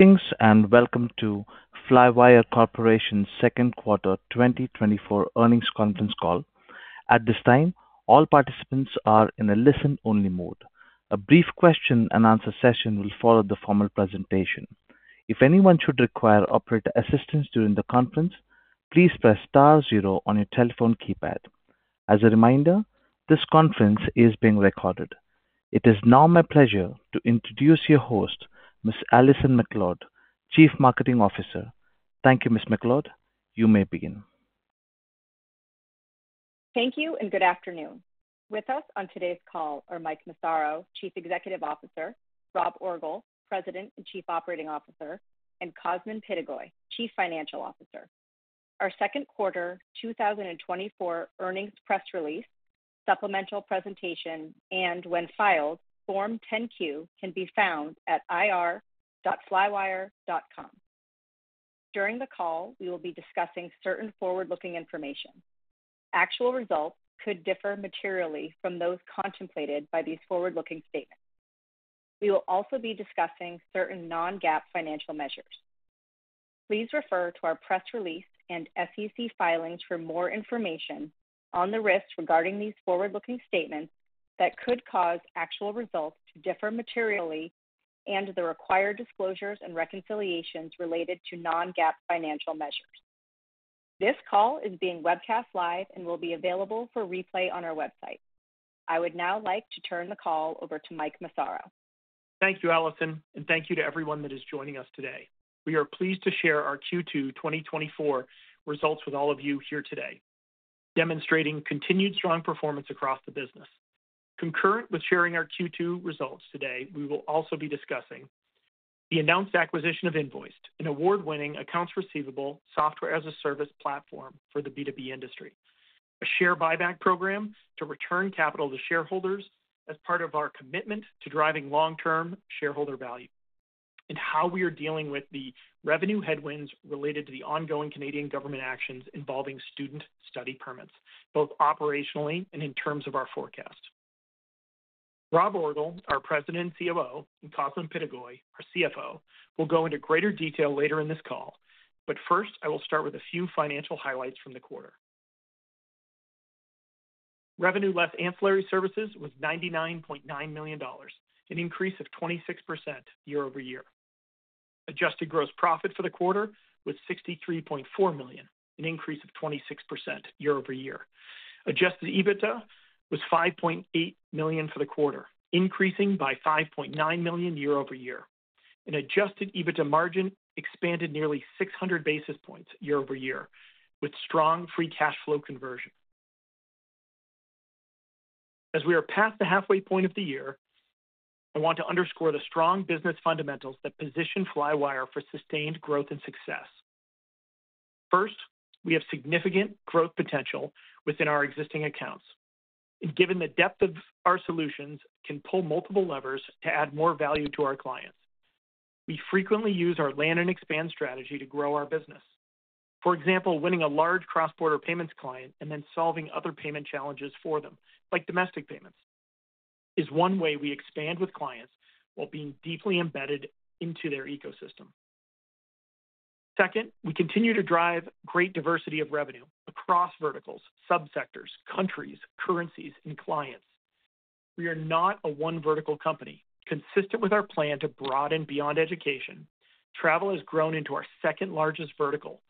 Thanks, and welcome to Flywire Corporation's Second Quarter 2024 Earnings Conference Call. At this time, all participants are in a listen-only mode. A brief question-and-answer session will follow the formal presentation. If anyone should require operator assistance during the conference, please press star zero on your telephone keypad. As a reminder, this conference is being recorded. It is now my pleasure to introduce your host, Ms. Allison MacLeod, Chief Marketing Officer. Thank you, Ms. McLeod. You may begin. Thank you, and good afternoon. With us on today's call are Mike Massaro, Chief Executive Officer, Rob Orgel, President and Chief Operating Officer, and Cosmin Pitigoi, Chief Financial Officer. Our second quarter 2024 earnings press release, supplemental presentation, and when filed, Form 10-Q can be found at ir.flywire.com. During the call, we will be discussing certain forward-looking information. Actual results could differ materially from those contemplated by these forward-looking statements. We will also be discussing certain non-GAAP financial measures. Please refer to our press release and SEC filings for more information on the risks regarding these forward-looking statements that could cause actual results to differ materially and the required disclosures and reconciliations related to non-GAAP financial measures. This call is being webcast live and will be available for replay on our website. I would now like to turn the call over to Mike Massaro. Thank you, Allison, and thank you to everyone that is joining us today. We are pleased to share our Q2 2024 results with all of you here today, demonstrating continued strong performance across the business. Concurrent with sharing our Q2 results today, we will also be discussing the announced acquisition of Invoiced, an award-winning accounts receivable software as a service platform for the B2B industry, a share buyback program to return capital to shareholders as part of our commitment to driving long-term shareholder value, and how we are dealing with the revenue headwinds related to the ongoing Canadian government actions involving student study permits, both operationally and in terms of our forecast. Rob Orgel, our President and COO, and Cosmin Pitigoi, our CFO, will go into greater detail later in this call. But first, I will start with a few financial highlights from the quarter. Revenue less ancillary services was $99.9 million, an increase of 26% year-over-year. Adjusted gross profit for the quarter was $63.4 million, an increase of 26% year-over-year. Adjusted EBITDA was $5.8 million for the quarter, increasing by $5.9 million year-over-year, and adjusted EBITDA margin expanded nearly 600 basis points year-over-year, with strong free cash flow conversion. As we are past the halfway point of the year, I want to underscore the strong business fundamentals that position Flywire for sustained growth and success. First, we have significant growth potential within our existing accounts, and given the depth of our solutions, can pull multiple levers to add more value to our clients. We frequently use our land and expand strategy to grow our business. For example, winning a large cross-border payments client and then solving other payment challenges for them, like domestic payments, is one way we expand with clients while being deeply embedded into their ecosystem. Second, we continue to drive great diversity of revenue across verticals, subsectors, countries, currencies, and clients. We are not a one vertical company. Consistent with our plan to broaden beyond education, travel has grown into our second-largest vertical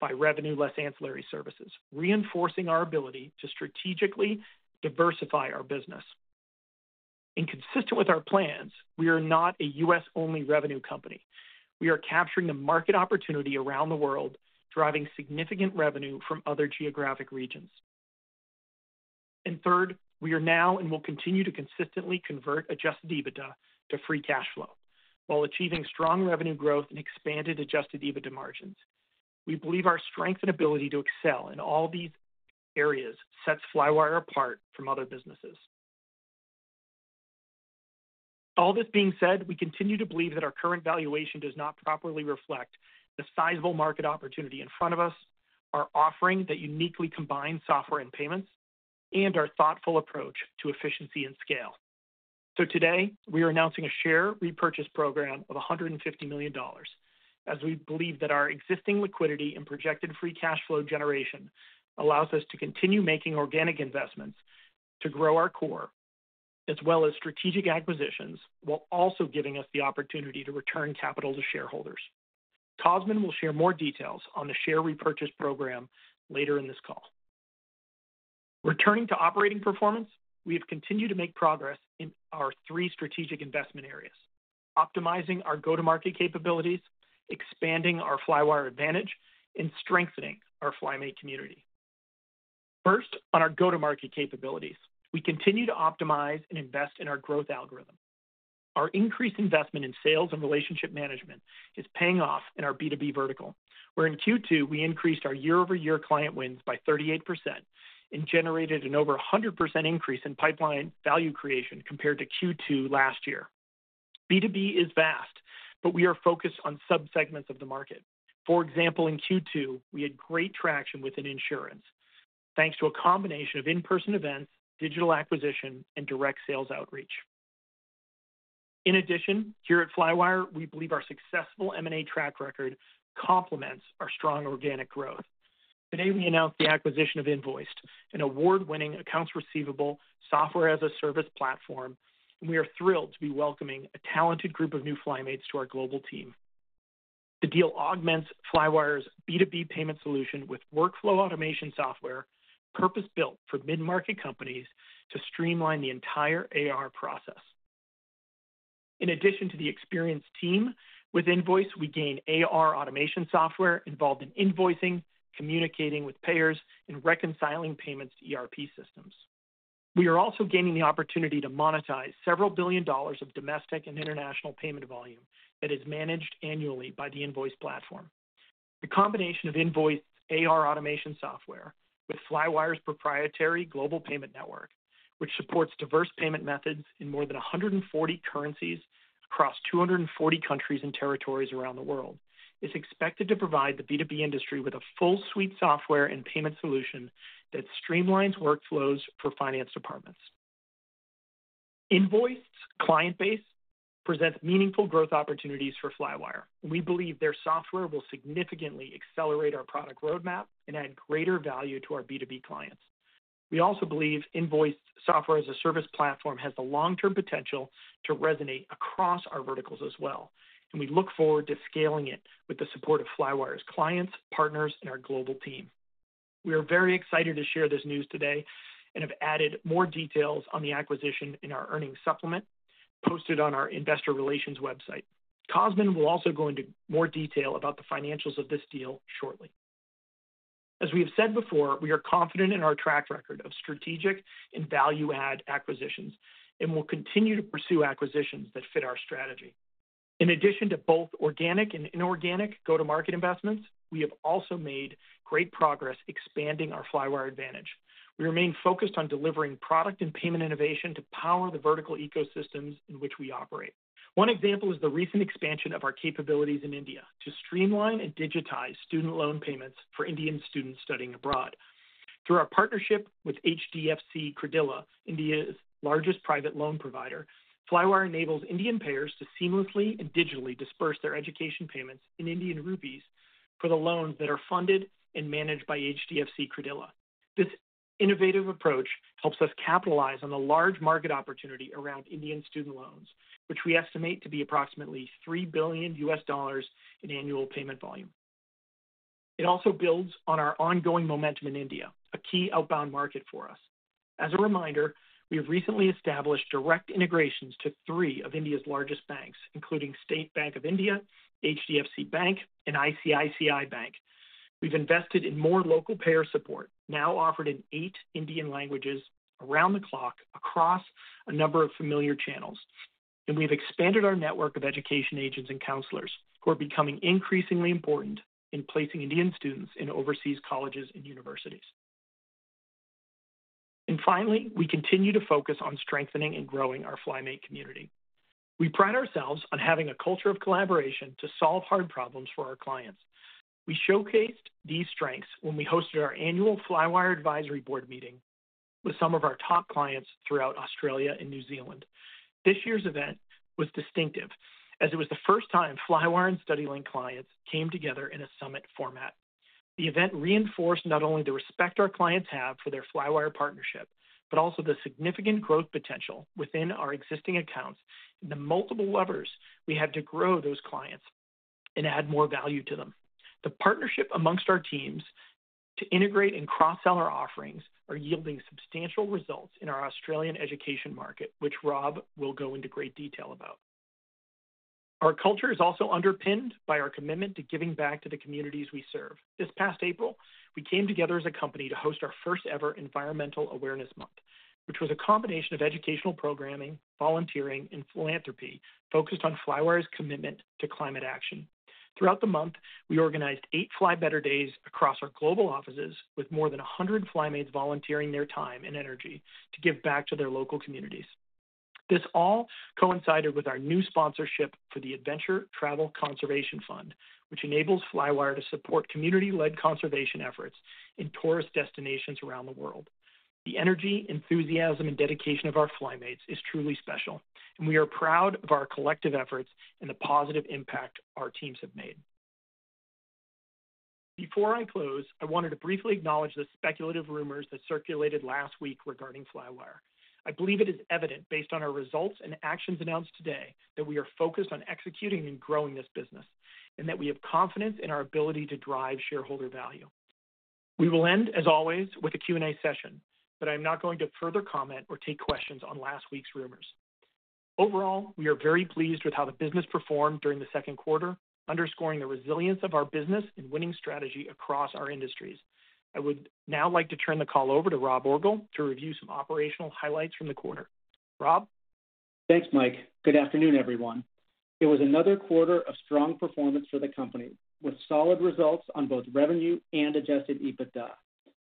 by revenue less ancillary services, reinforcing our ability to strategically diversify our business. Consistent with our plans, we are not a U.S.-only revenue company. We are capturing the market opportunity around the world, driving significant revenue from other geographic regions. Third, we are now and will continue to consistently convert adjusted EBITDA to free cash flow while achieving strong revenue growth and expanded adjusted EBITDA margins. We believe our strength and ability to excel in all these areas sets Flywire apart from other businesses. All this being said, we continue to believe that our current valuation does not properly reflect the sizable market opportunity in front of us, our offering that uniquely combines software and payments, and our thoughtful approach to efficiency and scale. So today, we are announcing a share repurchase program of $150 million, as we believe that our existing liquidity and projected free cash flow generation allows us to continue making organic investments to grow our core, as well as strategic acquisitions, while also giving us the opportunity to return capital to shareholders. Cosmin will share more details on the share repurchase program later in this call. Returning to operating performance, we have continued to make progress in our three strategic investment areas: optimizing our go-to-market capabilities, expanding our Flywire Advantage, and strengthening our FlyMate community. First, on our go-to-market capabilities, we continue to optimize and invest in our growth algorithm. Our increased investment in sales and relationship management is paying off in our B2B vertical, where in Q2, we increased our year-over-year client wins by 38% and generated an over 100% increase in pipeline value creation compared to Q2 last year. B2B is vast, but we are focused on subsegments of the market. For example, in Q2, we had great traction within insurance, thanks to a combination of in-person events, digital acquisition, and direct sales outreach. In addition, here at Flywire, we believe our successful M&A track record complements our strong organic growth. Today, we announced the acquisition of Invoiced, an award-winning accounts receivable software as a service platform, and we are thrilled to be welcoming a talented group of new FlyMates to our global team. The deal augments Flywire's B2B payment solution with workflow automation software, purpose-built for mid-market companies to streamline the entire AR process. In addition to the experienced team, with Invoiced, we gain AR automation software involved in invoicing, communicating with payers, and reconciling payments to ERP systems. We are also gaining the opportunity to monetize several billion dollars of domestic and international payment volume that is managed annually by the Invoiced platform. The combination of Invoiced AR automation software with Flywire's proprietary global payment network, which supports diverse payment methods in more than 140 currencies across 240 countries and territories around the world, is expected to provide the B2B industry with a full suite software and payment solution that streamlines workflows for finance departments. Invoiced's client base presents meaningful growth opportunities for Flywire. We believe their software will significantly accelerate our product roadmap and add greater value to our B2B clients. We also believe Invoiced software as a service platform has the long-term potential to resonate across our verticals as well, and we look forward to scaling it with the support of Flywire's clients, partners, and our global team. We are very excited to share this news today and have added more details on the acquisition in our earnings supplement, posted on our Investor Relations website. Cosmin will also go into more detail about the financials of this deal shortly. As we have said before, we are confident in our track record of strategic and value-add acquisitions, and we'll continue to pursue acquisitions that fit our strategy. In addition to both organic and inorganic go-to-market investments, we have also made great progress expanding our Flywire Advantage. We remain focused on delivering product and payment innovation to power the vertical ecosystems in which we operate. One example is the recent expansion of our capabilities in India to streamline and digitize student loan payments for Indian students studying abroad. Through our partnership with HDFC Credila, India's largest private loan provider, Flywire enables Indian payers to seamlessly and digitally disburse their education payments in Indian rupees for the loans that are funded and managed by HDFC Credila. This innovative approach helps us capitalize on the large market opportunity around Indian student loans, which we estimate to be approximately $3 billion in annual payment volume. It also builds on our ongoing momentum in India, a key outbound market for us. As a reminder, we have recently established direct integrations to three of India's largest banks, including State Bank of India, HDFC Bank, and ICICI Bank. We've invested in more local payer support, now offered in eight Indian languages around the clock, across a number of familiar channels. We've expanded our network of education agents and counselors, who are becoming increasingly important in placing Indian students in overseas colleges and universities. Finally, we continue to focus on strengthening and growing our FlyMate community. We pride ourselves on having a culture of collaboration to solve hard problems for our clients. We showcased these strengths when we hosted our annual Flywire Advisory Board meeting with some of our top clients throughout Australia and New Zealand. This year's event was distinctive, as it was the first time Flywire and StudyLink clients came together in a summit format. The event reinforced not only the respect our clients have for their Flywire partnership, but also the significant growth potential within our existing accounts and the multiple levers we have to grow those clients and add more value to them. The partnership amongst our teams to integrate and cross-sell our offerings are yielding substantial results in our Australian education market, which Rob will go into great detail about. Our culture is also underpinned by our commitment to giving back to the communities we serve. This past April, we came together as a company to host our first-ever Environmental Awareness Month, which was a combination of educational programming, volunteering, and philanthropy focused on Flywire's commitment to climate action. Throughout the month, we organized eight FlyBetter Days across our global offices, with more than 100 FlyMates volunteering their time and energy to give back to their local communities. This all coincided with our new sponsorship for the Adventure Travel Conservation Fund, which enables Flywire to support community-led conservation efforts in tourist destinations around the world. The energy, enthusiasm, and dedication of our FlyMates is truly special, and we are proud of our collective efforts and the positive impact our teams have made. Before I close, I wanted to briefly acknowledge the speculative rumors that circulated last week regarding Flywire. I believe it is evident, based on our results and actions announced today, that we are focused on executing and growing this business, and that we have confidence in our ability to drive shareholder value. We will end, as always, with a Q&A session, but I'm not going to further comment or take questions on last week's rumors. Overall, we are very pleased with how the business performed during the second quarter, underscoring the resilience of our business and winning strategy across our industries. I would now like to turn the call over to Rob Orgel to review some operational highlights from the quarter. Rob? Thanks, Mike. Good afternoon, everyone. It was another quarter of strong performance for the company, with solid results on both revenue and adjusted EBITDA.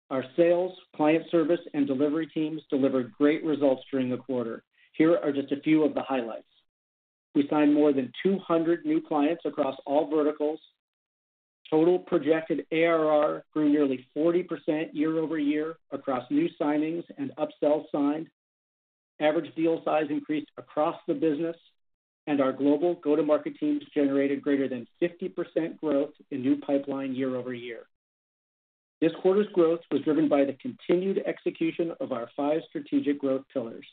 Our sales, client service, and delivery teams delivered great results during the quarter. Here are just a few of the highlights. We signed more than 200 new clients across all verticals. Total projected ARR grew nearly 40% year-over-year across new signings and upsells signed. Average deal size increased across the business, and our global go-to-market teams generated greater than 50% growth in new pipeline year-over-year. This quarter's growth was driven by the continued execution of our five strategic growth pillars.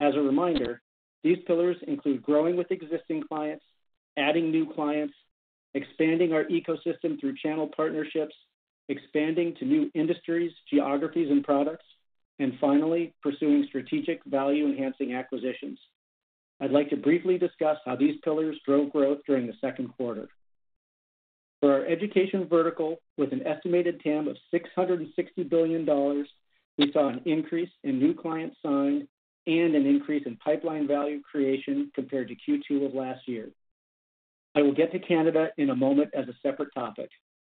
As a reminder, these pillars include growing with existing clients, adding new clients, expanding our ecosystem through channel partnerships, expanding to new industries, geographies, and products, and finally, pursuing strategic value-enhancing acquisitions. I'd like to briefly discuss how these pillars drove growth during the second quarter. For our education vertical, with an estimated TAM of $660 billion, we saw an increase in new clients signed and an increase in pipeline value creation compared to Q2 of last year. I will get to Canada in a moment as a separate topic,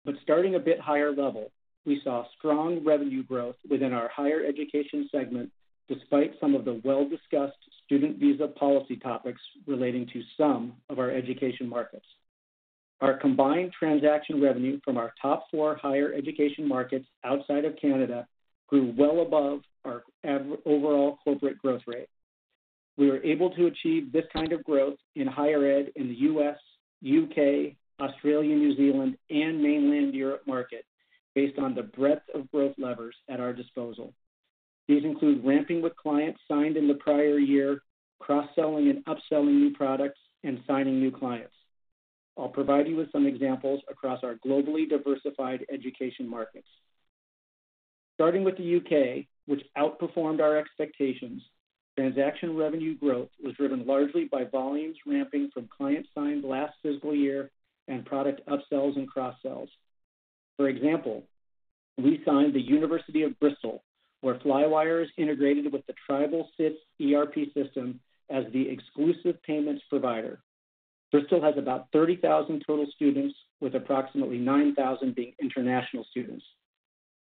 but starting a bit higher level, we saw strong revenue growth within our higher education segment, despite some of the well-discussed student visa policy topics relating to some of our education markets. Our combined transaction revenue from our top four higher education markets outside of Canada grew well above our overall corporate growth rate. We were able to achieve this kind of growth in higher ed in the U.S., U.K., Australia, New Zealand, and mainland Europe market based on the breadth of growth levers at our disposal. These include ramping with clients signed in the prior year, cross-selling and upselling new products, and signing new clients. I'll provide you with some examples across our globally diversified education markets. Starting with the U.K., which outperformed our expectations, transaction revenue growth was driven largely by volumes ramping from clients signed last fiscal year and product upsells and cross-sells. For example, we signed the University of Bristol, where Flywire is integrated with the Tribal SITS ERP system as the exclusive payments provider. Bristol has about 30,000 total students, with approximately 9,000 being international students.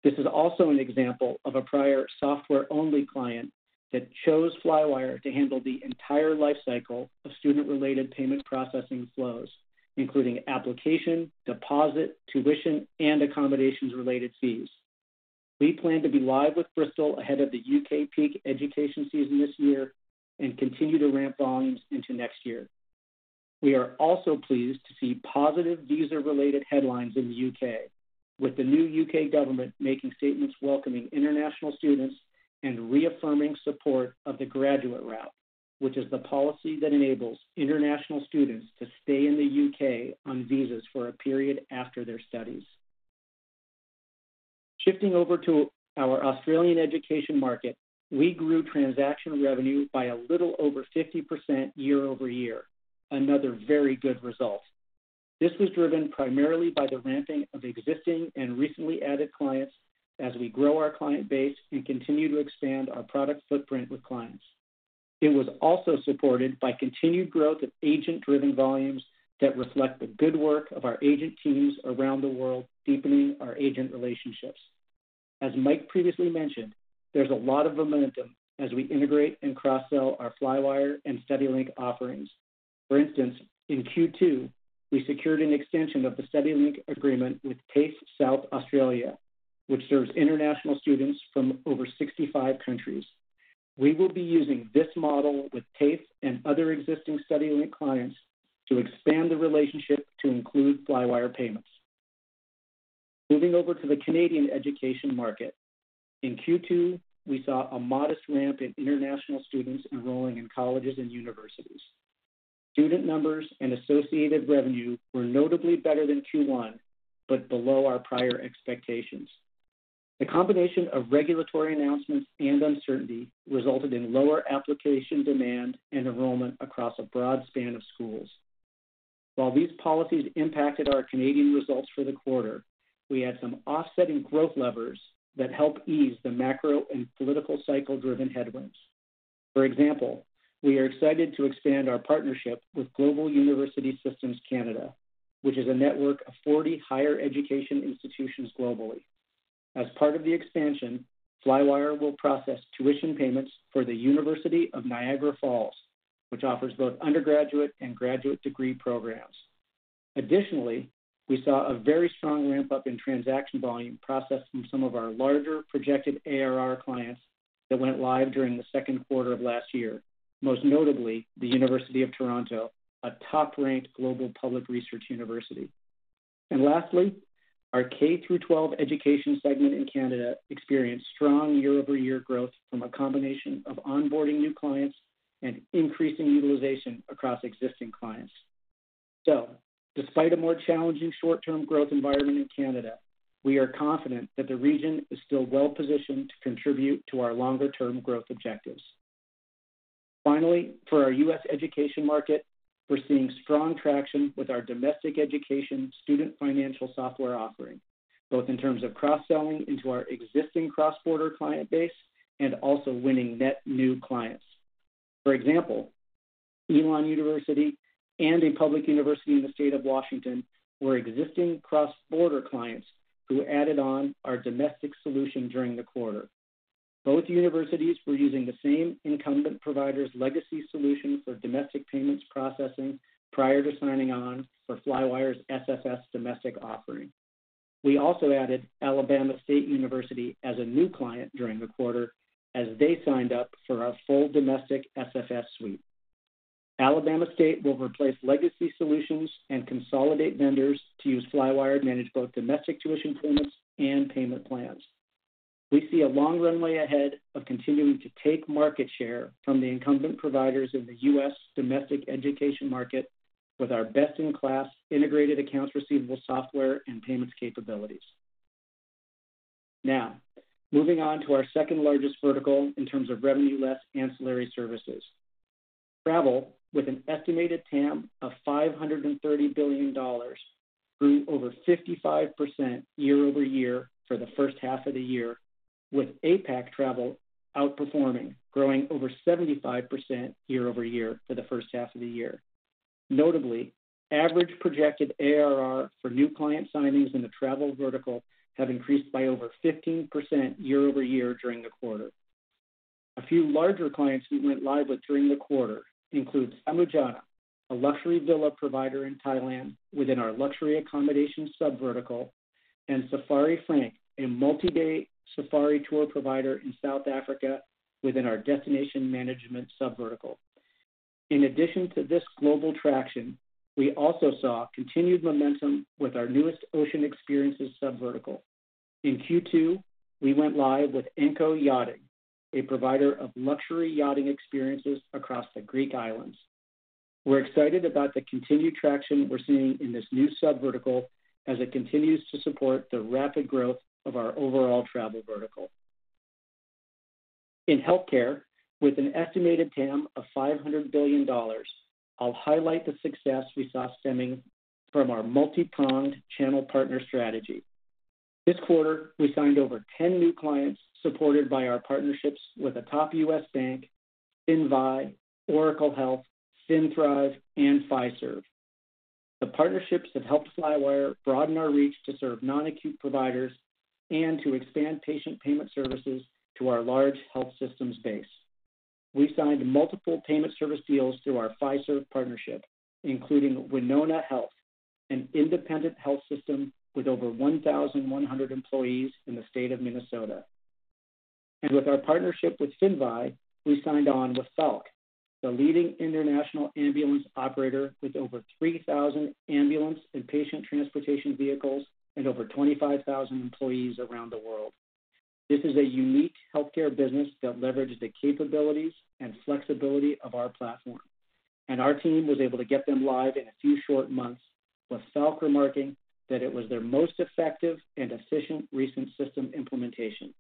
This is also an example of a prior software-only client that chose Flywire to handle the entire life cycle of student-related payment processing flows, including application, deposit, tuition, and accommodations-related fees. We plan to be live with Bristol ahead of the U.K. peak education season this year and continue to ramp volumes into next year. We are also pleased to see positive visa-related headlines in the U.K., with the new U.K. government making statements welcoming international students and reaffirming support of the graduate route, which is the policy that enables international students to stay in the U.K. on visas for a period after their studies. Shifting over to our Australian education market, we grew transaction revenue by a little over 50% year-over-year, another very good result. This was driven primarily by the ramping of existing and recently added clients as we grow our client base and continue to expand our product footprint with clients. It was also supported by continued growth of agent-driven volumes that reflect the good work of our agent teams around the world, deepening our agent relationships. As Mike previously mentioned, there's a lot of momentum as we integrate and cross-sell our Flywire and StudyLink offerings. For instance, in Q2, we secured an extension of the StudyLink agreement with TAFE South Australia, which serves international students from over 65 countries. We will be using this model with TAFE and other existing StudyLink clients to expand the relationship to include Flywire payments. Moving over to the Canadian education market. In Q2, we saw a modest ramp in international students enrolling in colleges and universities. Student numbers and associated revenue were notably better than Q1, but below our prior expectations. The combination of regulatory announcements and uncertainty resulted in lower application demand and enrollment across a broad span of schools. While these policies impacted our Canadian results for the quarter, we had some offsetting growth levers that helped ease the macro and political cycle-driven headwinds. For example, we are excited to expand our partnership with Global University Systems Canada, which is a network of 40 higher education institutions globally. As part of the expansion, Flywire will process tuition payments for the University of Niagara Falls, which offers both undergraduate and graduate degree programs. Additionally, we saw a very strong ramp-up in transaction volume processed from some of our larger projected ARR clients that went live during the second quarter of last year, most notably the University of Toronto, a top-ranked global public research university. And lastly, our K-12 education segment in Canada experienced strong year-over-year growth from a combination of onboarding new clients and increasing utilization across existing clients. So despite a more challenging short-term growth environment in Canada, we are confident that the region is still well positioned to contribute to our longer-term growth objectives. Finally, for our U.S. education market, we're seeing strong traction with our domestic education student financial software offering, both in terms of cross-selling into our existing cross-border client base and also winning net new clients. For example, Elon University and a public university in the state of Washington were existing cross-border clients who added on our domestic solution during the quarter. Both universities were using the same incumbent provider's legacy solution for domestic payments processing prior to signing on for Flywire's SFS domestic offering. We also added Alabama State University as a new client during the quarter, as they signed up for our full domestic SFS suite. Alabama State will replace legacy solutions and consolidate vendors to use Flywire to manage both domestic tuition payments and payment plans. We see a long runway ahead of continuing to take market share from the incumbent providers in the U.S. domestic education market with our best-in-class integrated accounts receivable software and payments capabilities. Now, moving on to our second-largest vertical in terms of revenue, less ancillary services. Travel, with an estimated TAM of $530 billion, grew over 55% year-over-year for the first half of the year, with APAC Travel outperforming, growing over 75% year-over-year for the first half of the year. Notably, average projected ARR for new client signings in the travel vertical have increased by over 15% year-over-year during the quarter. A few larger clients we went live with during the quarter include Samujana, a luxury villa provider in Thailand within our luxury accommodation sub-vertical, and Safari Frank, a multi-day safari tour provider in South Africa within our destination management sub-vertical. In addition to this global traction, we also saw continued momentum with our newest ocean experiences sub-vertical. In Q2, we went live with Anko Yachting, a provider of luxury yachting experiences across the Greek islands. We're excited about the continued traction we're seeing in this new sub-vertical as it continues to support the rapid growth of our overall travel vertical. In healthcare, with an estimated TAM of $500 billion, I'll highlight the success we saw stemming from our multipronged channel partner strategy. This quarter, we signed over 10 new clients supported by our partnerships with a top U.S. bank, Finvi, Oracle Health, FinThrive, and Fiserv. The partnerships have helped Flywire broaden our reach to serve non-acute providers and to expand patient payment services to our large health systems base. We signed multiple payment service deals through our Fiserv partnership, including Winona Health, an independent health system with over 1,100 employees in the state of Minnesota. With our partnership with Finvi, we signed on with Falck, the leading international ambulance operator with over 3,000 ambulance and patient transportation vehicles and over 25,000 employees around the world. This is a unique healthcare business that leverages the capabilities and flexibility of our platform, and our team was able to get them live in a few short months, with Falck remarking that it was their most effective and efficient recent system implementation.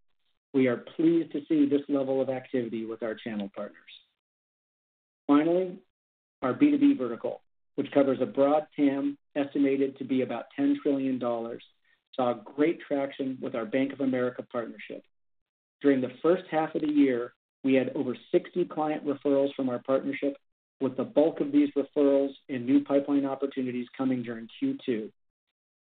We are pleased to see this level of activity with our channel partners. Finally, our B2B vertical, which covers a broad TAM, estimated to be about $10 trillion, saw great traction with our Bank of America partnership. During the first half of the year, we had over 60 client referrals from our partnership, with the bulk of these referrals and new pipeline opportunities coming during Q2.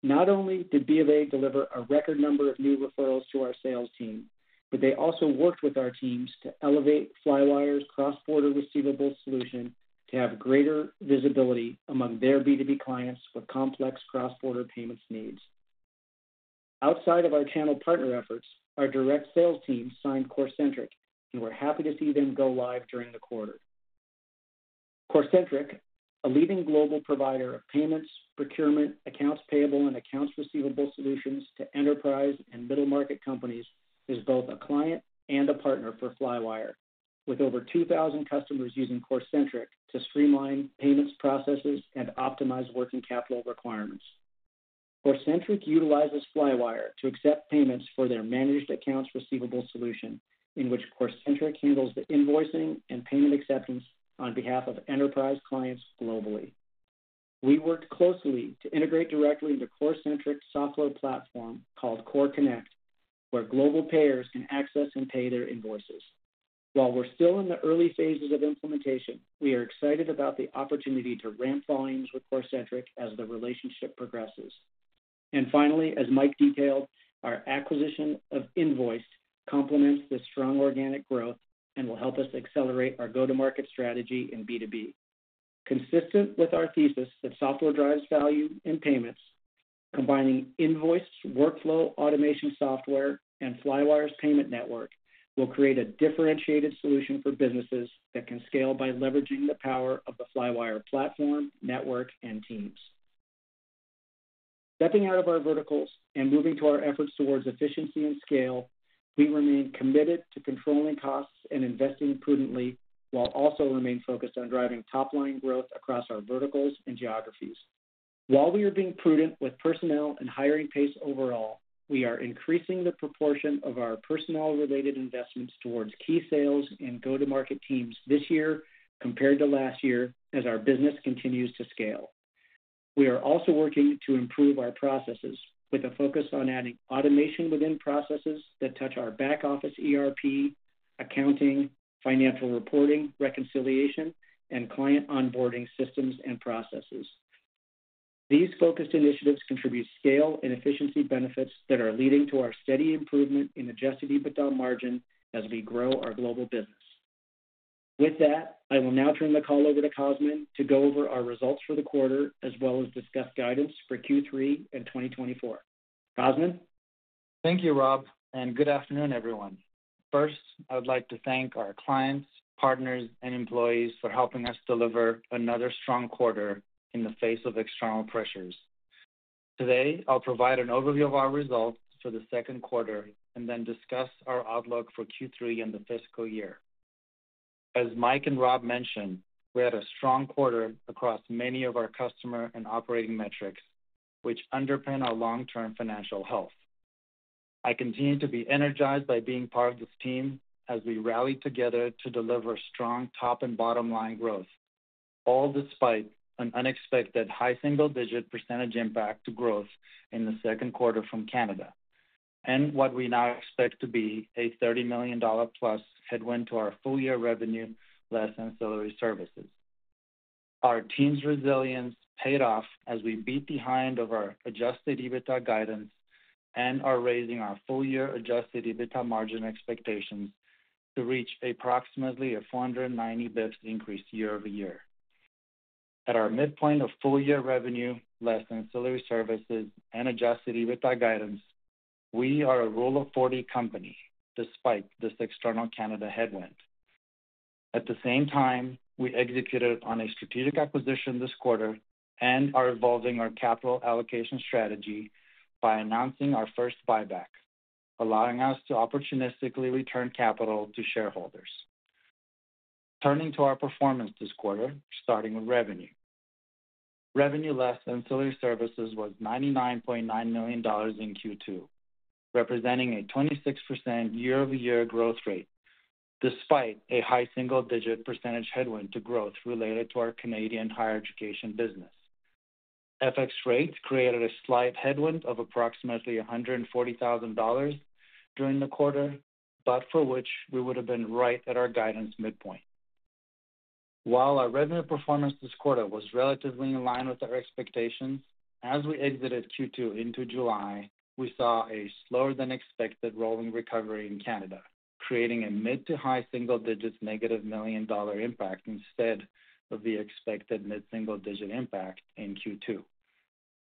Not only did BofA deliver a record number of new referrals to our sales team, but they also worked with our teams to elevate Flywire's cross-border receivables solution to have greater visibility among their B2B clients with complex cross-border payments needs. Outside of our channel partner efforts, our direct sales team signed Corcentric, and we're happy to see them go live during the quarter. Corcentric, a leading global provider of payments, procurement, accounts payable, and accounts receivable solutions to enterprise and middle-market companies, is both a client and a partner for Flywire, with over 2,000 customers using Corcentric to streamline payments, processes, and optimize working capital requirements. Corcentric utilizes Flywire to accept payments for their managed accounts receivable solution, in which Corcentric handles the invoicing and payment acceptance on behalf of enterprise clients globally. We worked closely to integrate directly into Corcentric's software platform called CorConnect, where global payers can access and pay their invoices. While we're still in the early phases of implementation, we are excited about the opportunity to ramp volumes with Corcentric as the relationship progresses. And finally, as Mike detailed, our acquisition of Invoiced complements the strong organic growth and will help us accelerate our go-to-market strategy in B2B. Consistent with our thesis that software drives value in payments, combining Invoiced workflow automation software and Flywire's payment network will create a differentiated solution for businesses that can scale by leveraging the power of the Flywire platform, network, and teams. Stepping out of our verticals and moving to our efforts towards efficiency and scale, we remain committed to controlling costs and investing prudently, while also remain focused on driving top-line growth across our verticals and geographies. While we are being prudent with personnel and hiring pace overall, we are increasing the proportion of our personnel-related investments towards key sales and go-to-market teams this year compared to last year as our business continues to scale. We are also working to improve our processes, with a focus on adding automation within processes that touch our back office ERP, accounting, financial reporting, reconciliation, and client onboarding systems and processes. These focused initiatives contribute scale and efficiency benefits that are leading to our steady improvement in adjusted EBITDA margin as we grow our global business. With that, I will now turn the call over to Cosmin to go over our results for the quarter, as well as discuss guidance for Q3 and 2024. Cosmin? Thank you, Rob, and good afternoon, everyone. First, I would like to thank our clients, partners, and employees for helping us deliver another strong quarter in the face of external pressures. Today, I'll provide an overview of our results for the second quarter, and then discuss our outlook for Q3 and the fiscal year. As Mike and Rob mentioned, we had a strong quarter across many of our customer and operating metrics, which underpin our long-term financial health. I continue to be energized by being part of this team as we rally together to deliver strong top and bottom-line growth, all despite an unexpected high single-digit % impact to growth in the second quarter from Canada, and what we now expect to be a $30 million plus headwind to our full-year revenue, less ancillary services. Our team's resilience paid off as we beat behind of our adjusted EBITDA guidance and are raising our full-year adjusted EBITDA margin expectations to reach approximately a 490 basis points increase year-over-year. At our midpoint of full-year revenue, less ancillary services and adjusted EBITDA guidance, we are a Rule of 40 company despite this external Canada headwind. At the same time, we executed on a strategic acquisition this quarter and are evolving our capital allocation strategy by announcing our first buyback, allowing us to opportunistically return capital to shareholders. Turning to our performance this quarter, starting with revenue. Revenue less ancillary services was $99.9 million in Q2, representing a 26% year-over-year growth rate, despite a high single-digit percentage headwind to growth related to our Canadian higher education business. FX rates created a slight headwind of approximately $140,000 during the quarter, but for which we would've been right at our guidance midpoint. While our revenue performance this quarter was relatively in line with our expectations, as we exited Q2 into July, we saw a slower-than-expected rolling recovery in Canada, creating a mid- to high-single-digits negative $1 million impact instead of the expected mid-single-digit $1 million impact in Q2.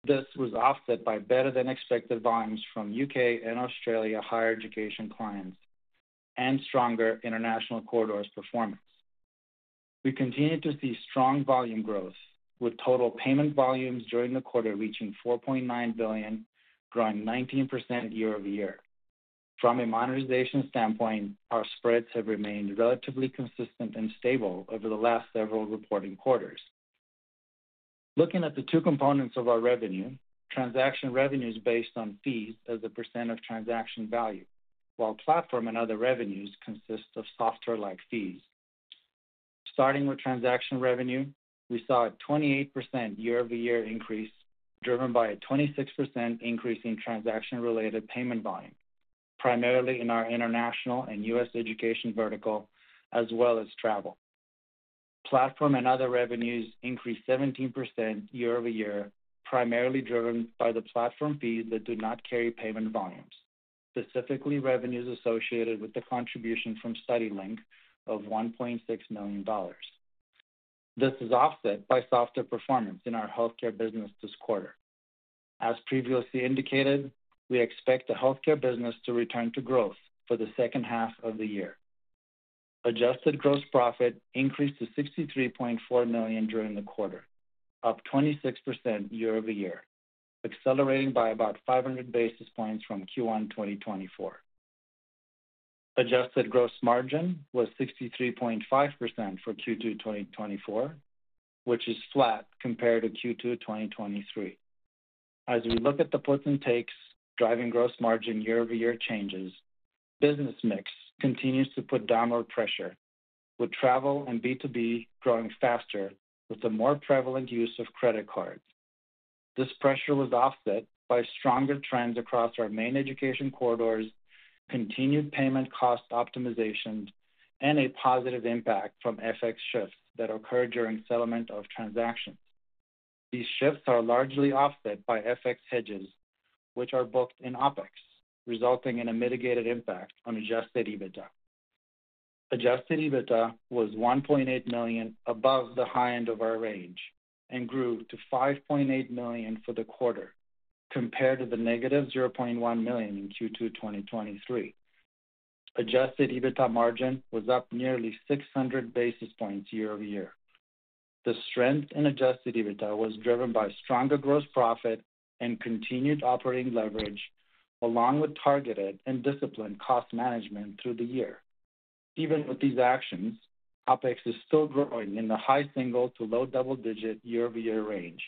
This was offset by better-than-expected volumes from U.K. and Australia higher education clients and stronger international corridors performance. We continued to see strong volume growth, with total payment volumes during the quarter reaching $4.9 billion, growing 19% year-over-year. From a monetization standpoint, our spreads have remained relatively consistent and stable over the last several reporting quarters. Looking at the two components of our revenue, transaction revenue is based on fees as a percent of transaction value, while platform and other revenues consist of software-like fees. Starting with transaction revenue, we saw a 28% year-over-year increase, driven by a 26% increase in transaction-related payment volume, primarily in our international and U.S. education vertical, as well as travel. Platform and other revenues increased 17% year-over-year, primarily driven by the platform fees that do not carry payment volumes, specifically revenues associated with the contribution from StudyLink of $1.6 million. This is offset by softer performance in our healthcare business this quarter. As previously indicated, we expect the healthcare business to return to growth for the second half of the year. Adjusted gross profit increased to $63.4 million during the quarter, up 26% year-over-year, accelerating by about 500 basis points from Q1 2024. Adjusted gross margin was 63.5% for Q2 2024, which is flat compared to Q2 2023. As we look at the puts and takes driving gross margin year-over-year changes, business mix continues to put downward pressure, with travel and B2B growing faster, with the more prevalent use of credit cards. This pressure was offset by stronger trends across our main education corridors, continued payment cost optimizations, and a positive impact from FX shifts that occur during settlement of transactions. These shifts are largely offset by FX hedges, which are booked in OpEx, resulting in a mitigated impact on adjusted EBITDA. Adjusted EBITDA was $1.8 million above the high end of our range and grew to $5.8 million for the quarter, compared to -$0.1 million in Q2 2023. Adjusted EBITDA margin was up nearly 600 basis points year-over-year. The strength in adjusted EBITDA was driven by stronger gross profit and continued operating leverage, along with targeted and disciplined cost management through the year. Even with these actions, OpEx is still growing in the high single- to low double-digit year-over-year range.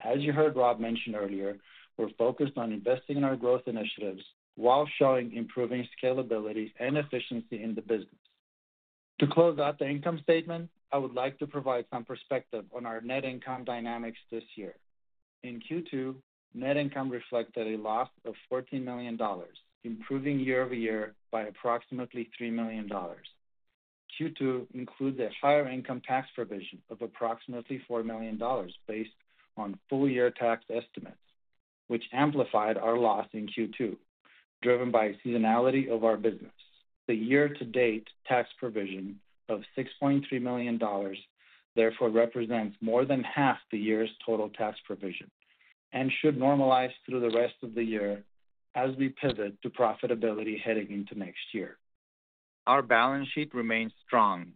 As you heard Rob mention earlier, we're focused on investing in our growth initiatives while showing improving scalability and efficiency in the business.... To close out the income statement, I would like to provide some perspective on our net income dynamics this year. In Q2, net income reflected a loss of $14 million, improving year-over-year by approximately $3 million. Q2 includes a higher income tax provision of approximately $4 million based on full year tax estimates, which amplified our loss in Q2, driven by seasonality of our business. The year-to-date tax provision of $6.3 million therefore represents more than half the year's total tax provision and should normalize through the rest of the year as we pivot to profitability heading into next year. Our balance sheet remains strong.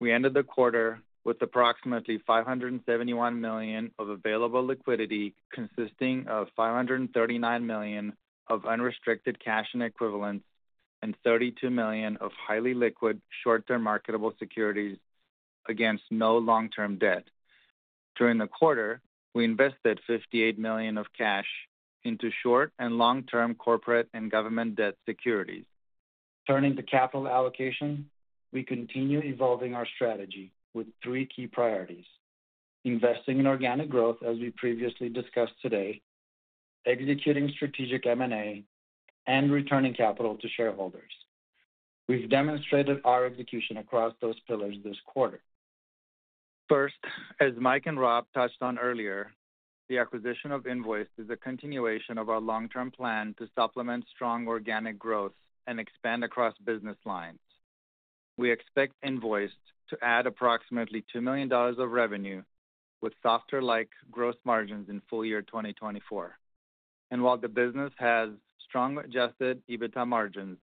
We ended the quarter with approximately $571 million of available liquidity, consisting of $539 million of unrestricted cash and equivalents, and $32 million of highly liquid, short-term marketable securities against no long-term debt. During the quarter, we invested $58 million of cash into short and long-term corporate and government debt securities. Turning to capital allocation, we continue evolving our strategy with three key priorities: investing in organic growth, as we previously discussed today, executing strategic M&A, and returning capital to shareholders. We've demonstrated our execution across those pillars this quarter. First, as Mike and Rob touched on earlier, the acquisition of Invoiced is a continuation of our long-term plan to supplement strong organic growth and expand across business lines. We expect Invoiced to add approximately $2 million of revenue, with softer gross margins in full year 2024. While the business has strong adjusted EBITDA margins,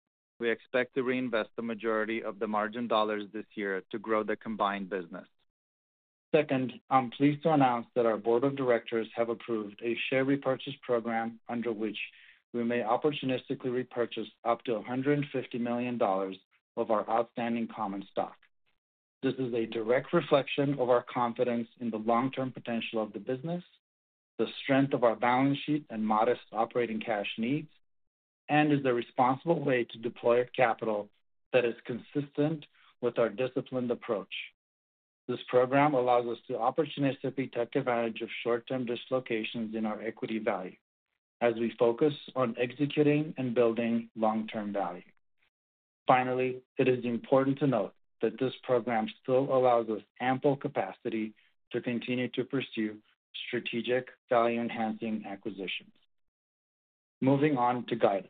we expect to reinvest the majority of the margin dollars this year to grow the combined business. Second, I'm pleased to announce that our board of directors have approved a share repurchase program under which we may opportunistically repurchase up to $150 million of our outstanding common stock. This is a direct reflection of our confidence in the long-term potential of the business, the strength of our balance sheet and modest operating cash needs, and is a responsible way to deploy capital that is consistent with our disciplined approach. This program allows us to opportunistically take advantage of short-term dislocations in our equity value as we focus on executing and building long-term value. Finally, it is important to note that this program still allows us ample capacity to continue to pursue strategic value-enhancing acquisitions. Moving on to guidance.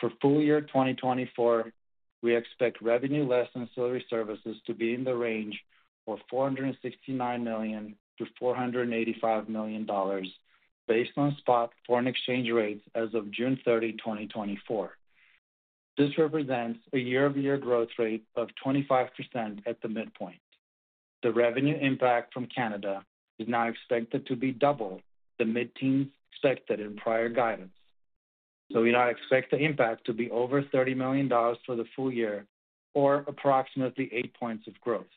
For full year 2024, we expect revenue, less ancillary services, to be in the range of $469 million-$485 million, based on spot foreign exchange rates as of June 30, 2024. This represents a year-over-year growth rate of 25% at the midpoint. The revenue impact from Canada is now expected to be double the mid-teens expected in prior guidance, so we now expect the impact to be over $30 million for the full year or approximately 8 points of growth.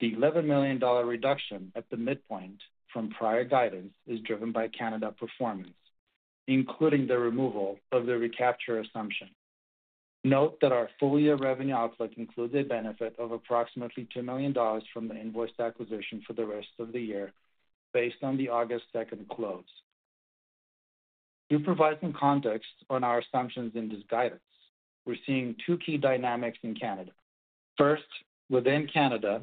The $11 million reduction at the midpoint from prior guidance is driven by Canada performance, including the removal of the recapture assumption. Note that our full-year revenue outlook includes a benefit of approximately $2 million from the Invoiced acquisition for the rest of the year, based on the August 2nd close. To provide some context on our assumptions in this guidance, we're seeing two key dynamics in Canada. First, within Canada,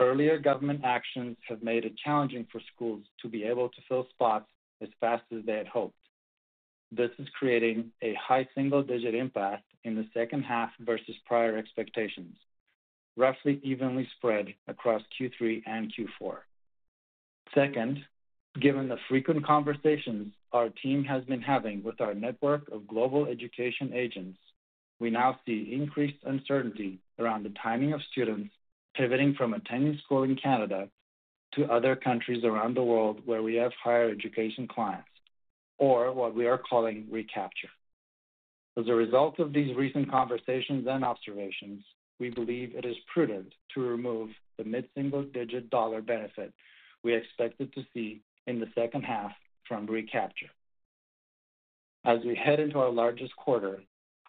earlier government actions have made it challenging for schools to be able to fill spots as fast as they had hoped. This is creating a high single-digit impact in the second half versus prior expectations, roughly evenly spread across Q3 and Q4. Second, given the frequent conversations our team has been having with our network of global education agents, we now see increased uncertainty around the timing of students pivoting from attending school in Canada to other countries around the world where we have higher education clients, or what we are calling recapture. As a result of these recent conversations and observations, we believe it is prudent to remove the mid-single digit dollar benefit we expected to see in the second half from recapture. As we head into our largest quarter,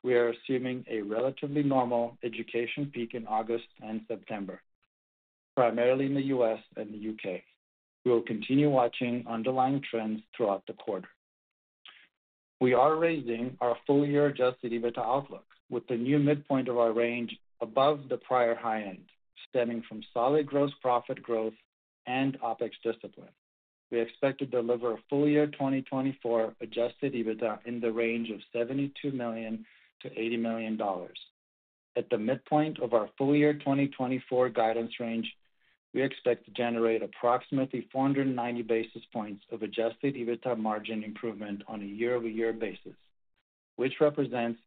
we are assuming a relatively normal education peak in August and September, primarily in the U.S. and the U.K. We will continue watching underlying trends throughout the quarter. We are raising our full-year adjusted EBITDA outlook with the new midpoint of our range above the prior high end, stemming from solid gross profit growth and OpEx discipline. We expect to deliver a full-year 2024 adjusted EBITDA in the range of $72 million-$80 million. At the midpoint of our full-year 2024 guidance range, we expect to generate approximately 490 basis points of adjusted EBITDA margin improvement on a year-over-year basis, which represents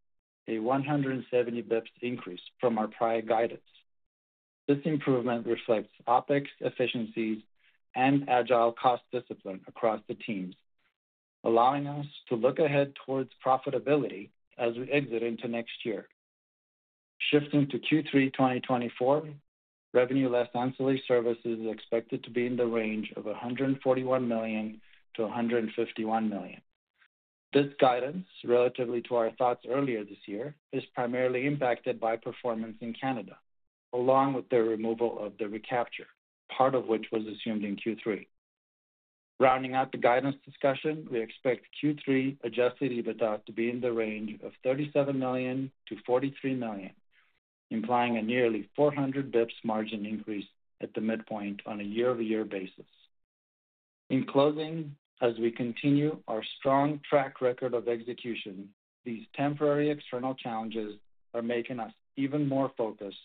a 170 basis points increase from our prior guidance. This improvement reflects OpEx efficiencies and agile cost discipline across the teams, allowing us to look ahead towards profitability as we exit into next year. Shifting to Q3 2024, revenue, less ancillary services, is expected to be in the range of $141 million-$151 million. This guidance, relative to our thoughts earlier this year, is primarily impacted by performance in Canada, along with the removal of the recapture, part of which was assumed in Q3. Rounding out the guidance discussion, we expect Q3 adjusted EBITDA to be in the range of $37 million-$43 million, implying a nearly 400 basis points margin increase at the midpoint on a year-over-year basis. In closing, as we continue our strong track record of execution, these temporary external challenges are making us even more focused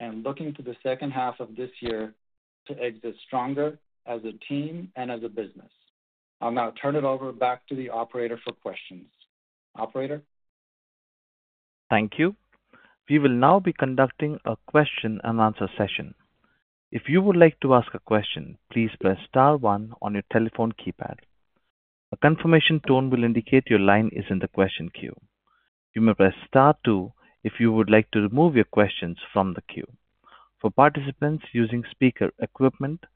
and looking to the second half of this year to exit stronger as a team and as a business. I'll now turn it over back to the operator for questions. Operator? Thank you. We will now be conducting a question-and-answer session. If you would like to ask a question, please press star one on your telephone keypad. A confirmation tone will indicate your line is in the question queue. You may press star two if you would like to remove your questions from the queue. For participants using speaker equipment,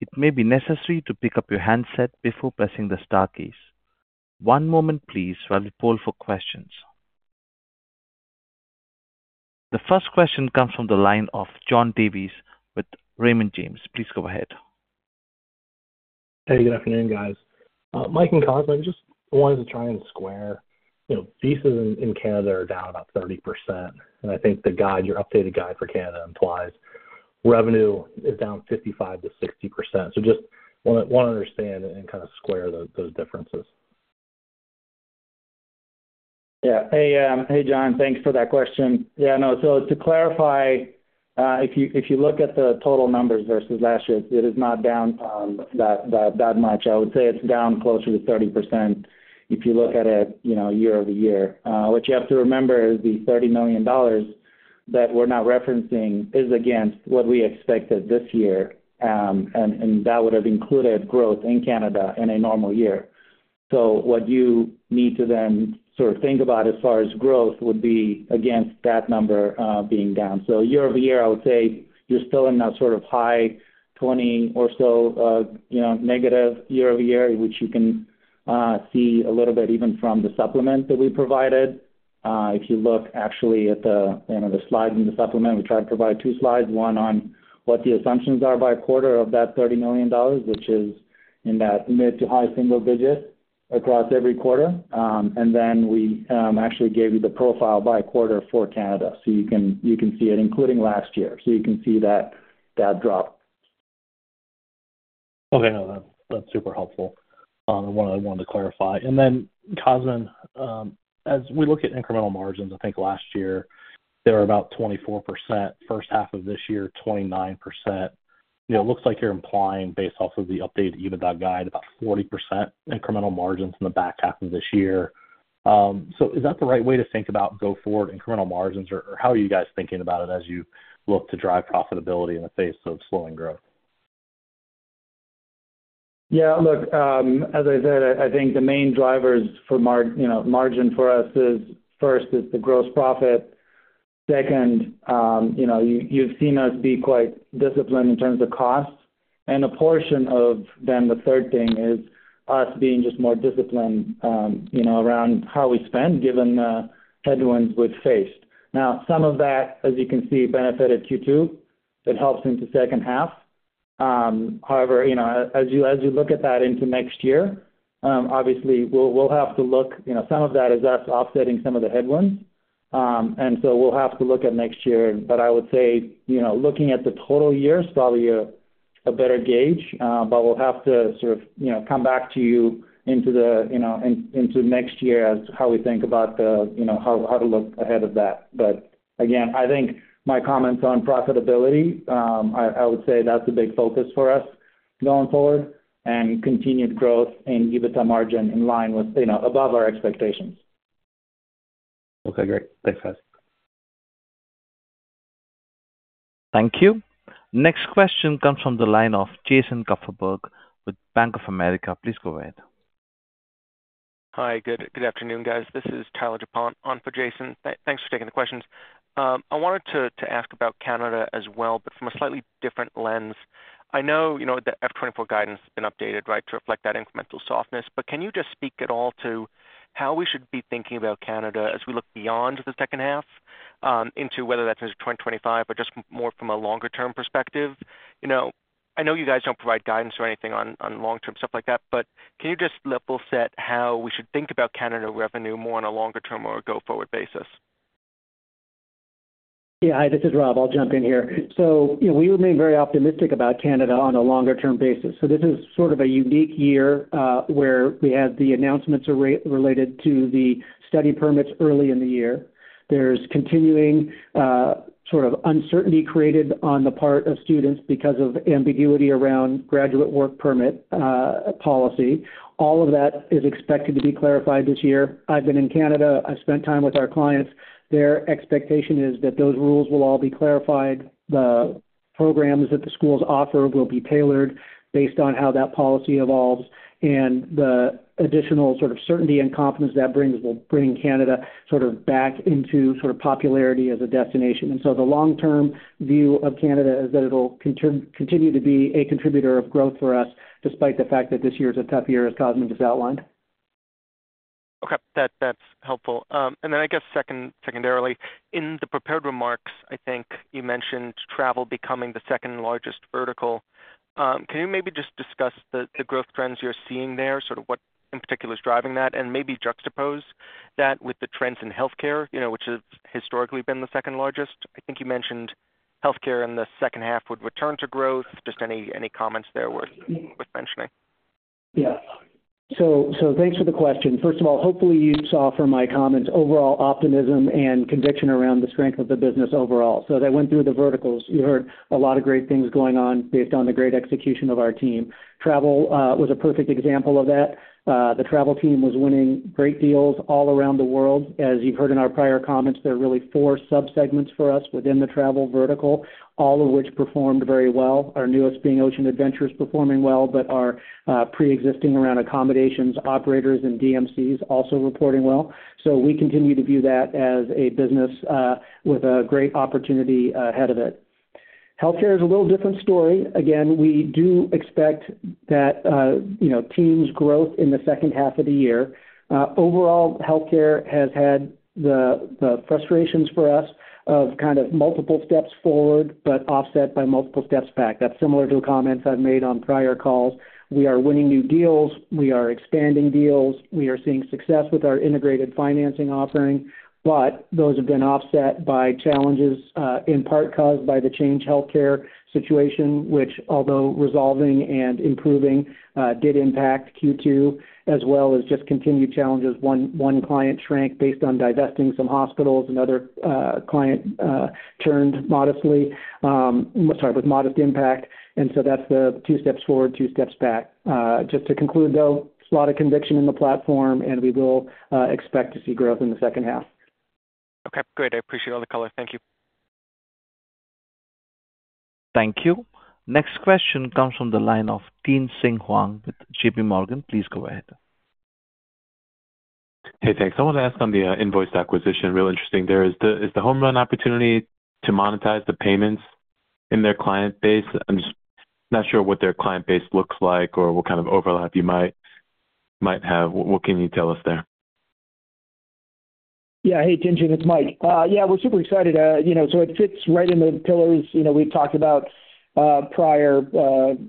it may be necessary to pick up your handset before pressing the star keys. One moment please, while we poll for questions. The first question comes from the line of John Davis with Raymond James. Please go ahead. Hey, good afternoon, guys. Mike and Cosmin, I just wanted to try and square, you know, visas in Canada are down about 30%, and I think the guide, your updated guide for Canada implies revenue is down 55%-60%. So just wanna understand and kind of square those differences. Yeah. Hey, hey, John. Thanks for that question. Yeah, no, so to clarify, if you, if you look at the total numbers versus last year, it is not down, that much. I would say it's down closer to 30% if you look at it, you know, year-over-year. What you have to remember is the $30 million that we're now referencing is against what we expected this year, and that would have included growth in Canada in a normal year. So what you need to then sort of think about as far as growth would be against that number, being down. So year-over-year, I would say you're still in that sort of high 20 or so, you know, negative year-over-year, which you can see a little bit even from the supplement that we provided. If you look actually at the, you know, the slide in the supplement, we try to provide two slides, one on what the assumptions are by quarter of that $30 million, which is in that mid to high single digits across every quarter. And then we actually gave you the profile by quarter for Canada, so you can see it, including last year. So you can see that drop. Okay, no, that's, that's super helpful. I wanted to clarify. And then, Cosmin, as we look at incremental margins, I think last year they were about 24%, first half of this year, 29%. You know, it looks like you're implying, based off of the updated EBITDA guide, about 40% incremental margins in the back half of this year. So is that the right way to think about go forward incremental margins, or how are you guys thinking about it as you look to drive profitability in the face of slowing growth? Yeah, look, as I said, I think the main drivers for margin for us is, first is the gross profit. Second, you know, you've seen us be quite disciplined in terms of costs, and a portion of then the third thing is us being just more disciplined, you know, around how we spend, given the headwinds we've faced. Now, some of that, as you can see, benefited Q2. It helps into second half. However, you know, as you look at that into next year, obviously, we'll have to look. You know, some of that is us offsetting some of the headwinds, and so we'll have to look at next year. But I would say, you know, looking at the total year is probably a better gauge, but we'll have to sort of, you know, come back to you into the, you know, into next year as to how we think about the, you know, how to look ahead of that. But again, I think my comments on profitability, I would say that's a big focus for us going forward and continued growth and EBITDA margin in line with, you know, above our expectations. Okay, great. Thanks, guys. Thank you. Next question comes from the line of Jason Kupferberg with Bank of America. Please go ahead. Hi, good. Good afternoon, guys. This is Tyler DuPont on for Jason Kupferberg. Thanks for taking the questions. I wanted to ask about Canada as well, but from a slightly different lens. I know, you know, the FY 2024 guidance has been updated, right, to reflect that incremental softness. But can you just speak at all to how we should be thinking about Canada as we look beyond the second half, into whether that's in 2025 or just more from a longer-term perspective? You know, I know you guys don't provide guidance or anything on long-term stuff like that, but can you just help flesh out how we should think about Canada revenue more on a longer-term or a go-forward basis? Yeah. Hi, this is Rob. I'll jump in here. So you know, we remain very optimistic about Canada on a longer-term basis. So this is sort of a unique year, where we had the announcements related to the study permits early in the year. There's continuing sort of uncertainty created on the part of students because of ambiguity around graduate work permit policy. All of that is expected to be clarified this year. I've been in Canada. I've spent time with our clients. Their expectation is that those rules will all be clarified, the programs that the schools offer will be tailored based on how that policy evolves, and the additional sort of certainty and confidence that brings will bring Canada sort of back into sort of popularity as a destination. And so the long-term view of Canada is that it'll continue to be a contributor of growth for us, despite the fact that this year is a tough year, as Cosmin just outlined. That, that's helpful. And then I guess second, secondarily, in the prepared remarks, I think you mentioned travel becoming the second largest vertical. Can you maybe just discuss the growth trends you're seeing there, sort of what in particular is driving that? And maybe juxtapose that with the trends in healthcare, you know, which has historically been the second largest. I think you mentioned healthcare in the second half would return to growth. Just any comments there worth mentioning? Yeah. So thanks for the question. First of all, hopefully, you saw from my comments overall optimism and conviction around the strength of the business overall. So as I went through the verticals, you heard a lot of great things going on based on the great execution of our team. Travel was a perfect example of that. The travel team was winning great deals all around the world. As you've heard in our prior comments, there are really four subsegments for us within the travel vertical, all of which performed very well. Our newest being Aqua Expeditions, performing well, but our preexisting around accommodations, operators, and DMCs also reporting well. So we continue to view that as a business with a great opportunity ahead of it. Healthcare is a little different story. Again, we do expect that, you know, team's growth in the second half of the year. Overall, healthcare has had the frustrations for us of kind of multiple steps forward, but offset by multiple steps back. That's similar to the comments I've made on prior calls. We are winning new deals. We are expanding deals. We are seeing success with our integrated financing offering, but those have been offset by challenges, in part caused by the Change Healthcare situation, which although resolving and improving, did impact Q2, as well as just continued challenges. One client shrank based on divesting some hospitals. Another client churned modestly. Sorry, with modest impact, and so that's the two steps forward, two steps back. Just to conclude, though, there's a lot of conviction in the platform, and we will expect to see growth in the second half. Okay, great. I appreciate all the color. Thank you. Thank you. Next question comes from the line of Tien-tsin Huang with JPMorgan. Please go ahead. Hey, thanks. I wanted to ask on the Invoiced acquisition. Real interesting there. Is the home run opportunity to monetize the payments in their client base? I'm just not sure what their client base looks like or what kind of overlap you might have. What can you tell us there? Yeah. Hey, Tien-tsin, it's Mike. Yeah, we're super excited. You know, so it fits right in the pillars. You know, we've talked about, prior,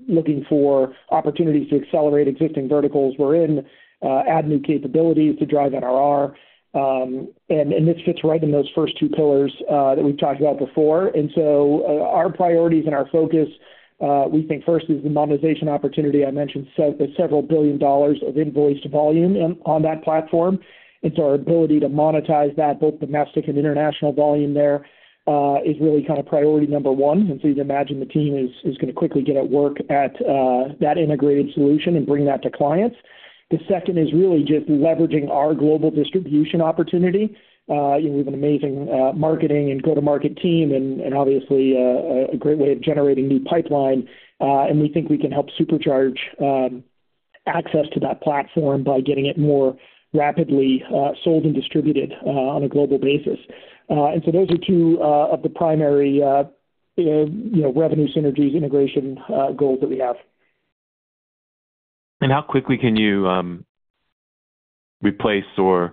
looking for opportunities to accelerate existing verticals we're in, add new capabilities to drive NRR, and, and this fits right in those first two pillars, that we've talked about before. And so, our priorities and our focus, we think first is the monetization opportunity. I mentioned the several billion dollars of Invoiced volume on that platform. It's our ability to monetize that, both domestic and international volume there, is really kind of priority number one. And so you'd imagine the team is gonna quickly get at work at, that integrated solution and bring that to clients. The second is really just leveraging our global distribution opportunity. You know, we have an amazing marketing and go-to-market team and obviously a great way of generating new pipeline, and we think we can help supercharge access to that platform by getting it more rapidly sold and distributed on a global basis. And so those are two of the primary revenue synergies, integration goals that we have. How quickly can you replace or,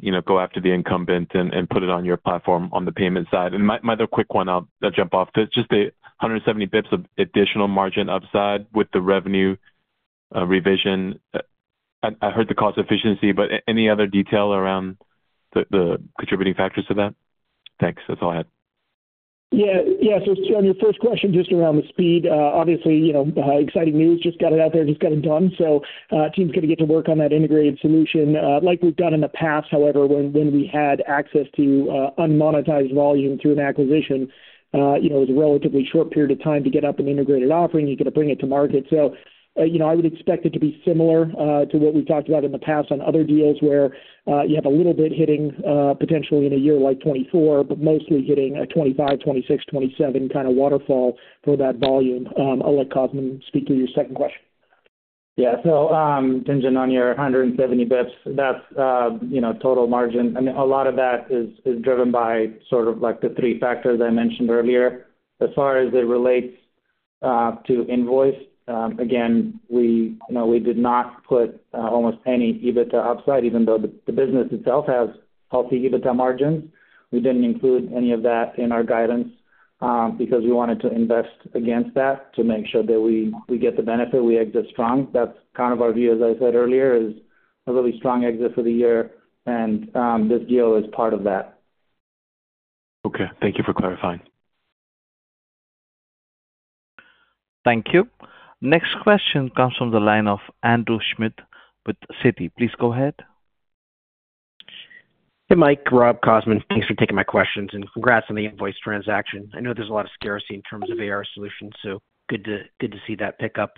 you know, go after the incumbent and put it on your platform on the payment side? And my other quick one, I'll jump off. Just the 170 basis points of additional margin upside with the revenue revision. I heard the cost efficiency, but any other detail around the contributing factors to that? Thanks. That's all I had. Yeah. Yeah. So on your first question, just around the speed, obviously, you know, exciting news. Just got it out there and just got it done. So, team's gonna get to work on that integrated solution. Like we've done in the past, however, when we had access to unmonetized volume through an acquisition, you know, it was a relatively short period of time to get up an integrated offering. You get to bring it to market. So, you know, I would expect it to be similar to what we've talked about in the past on other deals, where you have a little bit hitting potentially in a year, like 2024, but mostly hitting a 2025, 2026, 2027 kind of waterfall for that volume. I'll let Cosmin speak to your second question. Yeah. So, Tien-tsin, on your 170 basis points, that's, you know, total margin. I mean, a lot of that is, is driven by sort of like the three factors I mentioned earlier. As far as it relates to Invoiced, again, we, you know, we did not put almost any EBITDA upside, even though the, the business itself has healthy EBITDA margins. We didn't include any of that in our guidance, because we wanted to invest against that to make sure that we, we get the benefit, we exit strong. That's kind of our view, as I said earlier, is a really strong exit for the year, and this deal is part of that. Okay. Thank you for clarifying. Thank you. Next question comes from the line of Andrew Schmidt with Citi. Please go ahead. Hey, Mike, Rob, Cosmin. Thanks for taking my questions, and congrats on the Invoiced transaction. I know there's a lot of scarcity in terms of AR solutions, so good to see that pick up.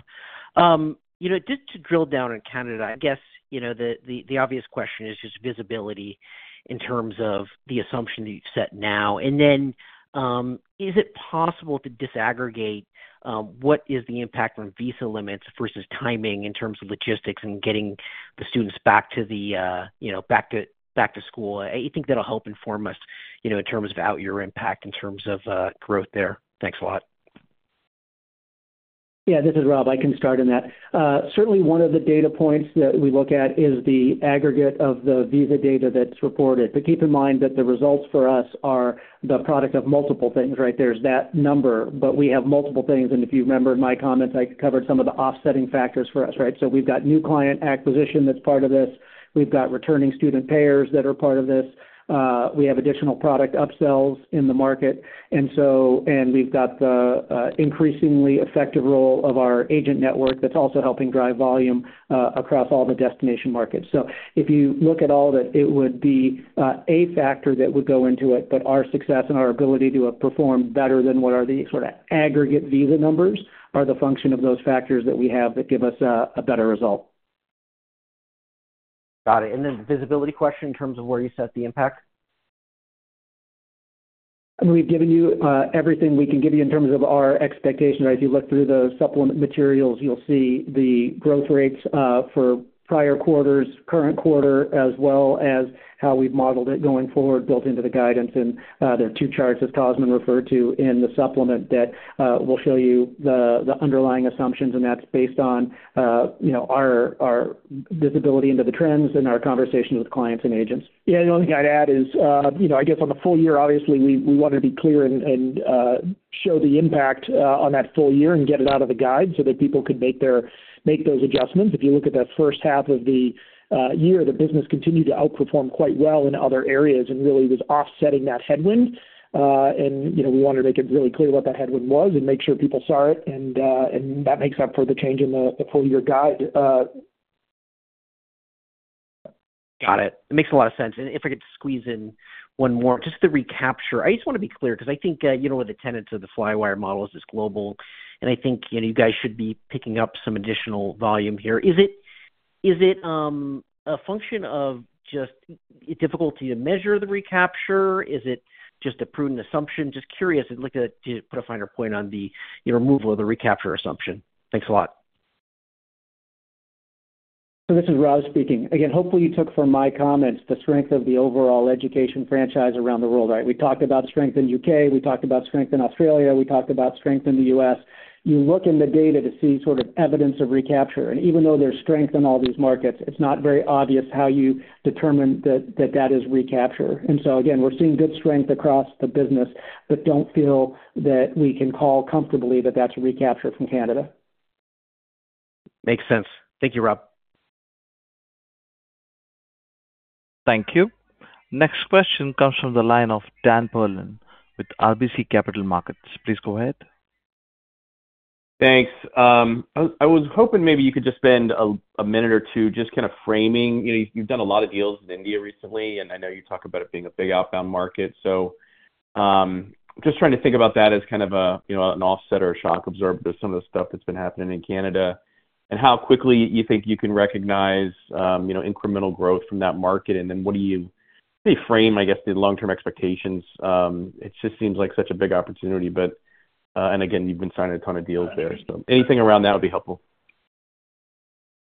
You know, just to drill down on Canada, I guess, you know, the obvious question is just visibility in terms of the assumption that you've set now. And then, is it possible to disaggregate what is the impact from visa limits versus timing in terms of logistics and getting the students back to the, you know, back to school? I think that'll help inform us, you know, in terms of outyear impact, in terms of growth there. Thanks a lot. Yeah, this is Rob. I can start on that. Certainly one of the data points that we look at is the aggregate of the visa data that's reported. But keep in mind that the results for us are the product of multiple things, right? There's that number, but we have multiple things, and if you remember in my comments, I covered some of the offsetting factors for us, right? So we've got new client acquisition that's part of this. We've got returning student payers that are part of this. We have additional product upsells in the market. And so we've got the increasingly effective role of our agent network that's also helping drive volume across all the destination markets. So if you look at all of it, it would be a factor that would go into it, but our success and our ability to have performed better than what are the sort of aggregate visa numbers are the function of those factors that we have that give us a better result. Got it. And then visibility question in terms of where you set the impact? We've given you everything we can give you in terms of our expectation, right? If you look through the supplement materials, you'll see the growth rates for prior quarters, current quarter, as well as how we've modeled it going forward, built into the guidance. There are two charts, as Cosmin referred to in the supplement, that we'll show you the underlying assumptions, and that's based on you know, our visibility into the trends and our conversations with clients and agents. Yeah, the only thing I'd add is you know, I guess on the full year, obviously, we wanted to be clear and show the impact on that full year and get it out of the guide so that people could make their-- make those adjustments. If you look at that first half of the year, the business continued to outperform quite well in other areas and really was offsetting that headwind. You know, we wanted to make it really clear what that headwind was and make sure people saw it, and that makes up for the change in the full-year guide. Got it. It makes a lot of sense. And if I could squeeze in one more, just to recapture. I just want to be clear, because I think, you know, with the tenets of the Flywire model is just global, and I think, you know, you guys should be picking up some additional volume here. Is it a function of just difficulty to measure the recapture? Is it just a prudent assumption? Just curious and looking to put a finer point on the removal of the recapture assumption. Thanks a lot. So this is Rob speaking. Again, hopefully, you took from my comments the strength of the overall education franchise around the world, right? We talked about strength in U.K., we talked about strength in Australia, we talked about strength in the U.S. You look in the data to see sort of evidence of recapture. And even though there's strength in all these markets, it's not very obvious how you determine that that is recapture. And so again, we're seeing good strength across the business, but don't feel that we can call comfortably that that's recapture from Canada. Makes sense. Thank you, Rob. Thank you. Next question comes from the line of Dan Perlin with RBC Capital Markets. Please go ahead. Thanks. I was hoping maybe you could just spend a minute or two just kind of framing. You know, you've done a lot of deals in India recently, and I know you talk about it being a big outbound market. So, just trying to think about that as kind of a, you know, an offset or a shock absorber to some of the stuff that's been happening in Canada, and how quickly you think you can recognize, you know, incremental growth from that market. And then what do you reframe, I guess, the long-term expectations? It just seems like such a big opportunity, but, and again, you've been signing a ton of deals there, so anything around that would be helpful.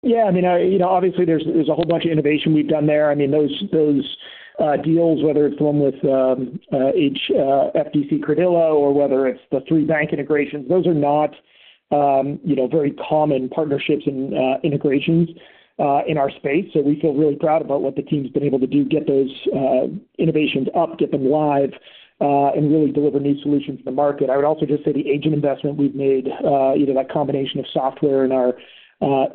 Yeah, I mean, you know, obviously there's a whole bunch of innovation we've done there. I mean, those deals, whether it's the one with HDFC Credila or whether it's the three bank integrations, those are not, you know, very common partnerships and integrations in our space. So we feel really proud about what the team's been able to do, get those innovations up, get them live, and really deliver new solutions to the market. I would also just say the agent investment we've made, you know, that combination of software and our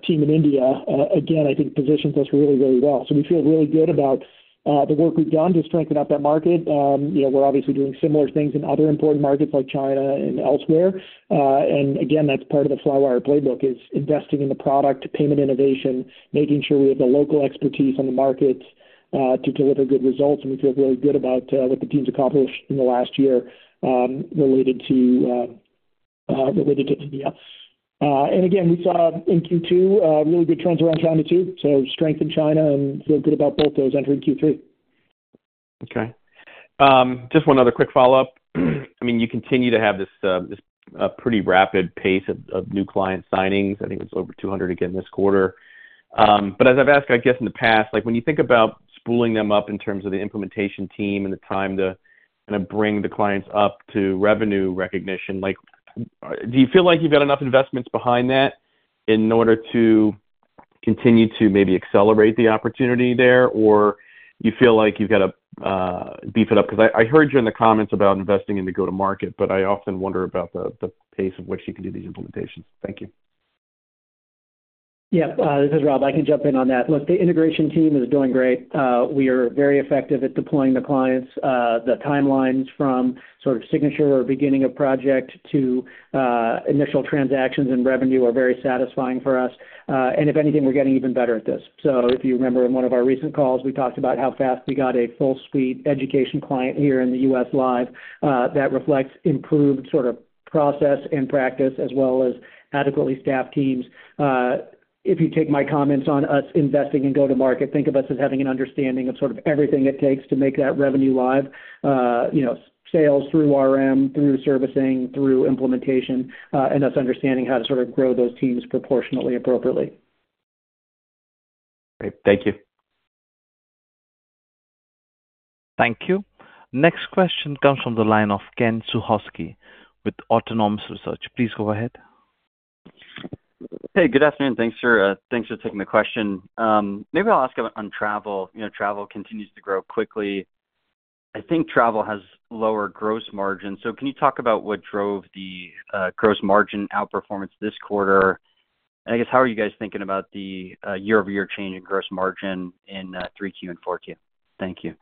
team in India, again, I think positions us really very well. So we feel really good about the work we've done to strengthen up that market. You know, we're obviously doing similar things in other important markets like China and elsewhere. And again, that's part of the Flywire playbook, is investing in the product, payment innovation, making sure we have the local expertise on the markets to deliver good results. And we feel really good about what the team's accomplished in the last year related to India. And again, we saw in Q2 really good trends around China, too. So strength in China and feel good about both those entering Q3. Okay. Just one other quick follow-up. I mean, you continue to have this pretty rapid pace of new client signings. I think it's over 200 again this quarter. But as I've asked, I guess, in the past, like when you think about spooling them up in terms of the implementation team and the time to kind of bring the clients up to revenue recognition, like, do you feel like you've got enough investments behind that in order to continue to maybe accelerate the opportunity there? Or you feel like you've got to beef it up? Because I heard you in the comments about investing in the go-to-market, but I often wonder about the pace at which you can do these implementations. Thank you. Yeah. This is Rob. I can jump in on that. Look, the integration team is doing great. We are very effective at deploying the clients. The timelines from sort of signature or beginning of project to initial transactions and revenue are very satisfying for us. And if anything, we're getting even better at this. So if you remember, in one of our recent calls, we talked about how fast we got a full suite education client here in the U.S. Live. That reflects improved sort of process and practice, as well as adequately staffed teams. If you take my comments on us investing in go-to-market, think of us as having an understanding of sort of everything it takes to make that revenue live. You know, sales through RM, through servicing, through implementation, and us understanding how to sort of grow those teams proportionately, appropriately. Great. Thank you. Thank you. Next question comes from the line of Ken Suchoski with Autonomous Research. Please go ahead. Hey, good afternoon. Thanks for taking the question. Maybe I'll ask on travel. You know, travel continues to grow quickly. I think travel has lower gross margins. So can you talk about what drove the gross margin outperformance this quarter? And I guess, how are you guys thinking about the year-over-year change in gross margin in 3Q and 4Q? Thank you.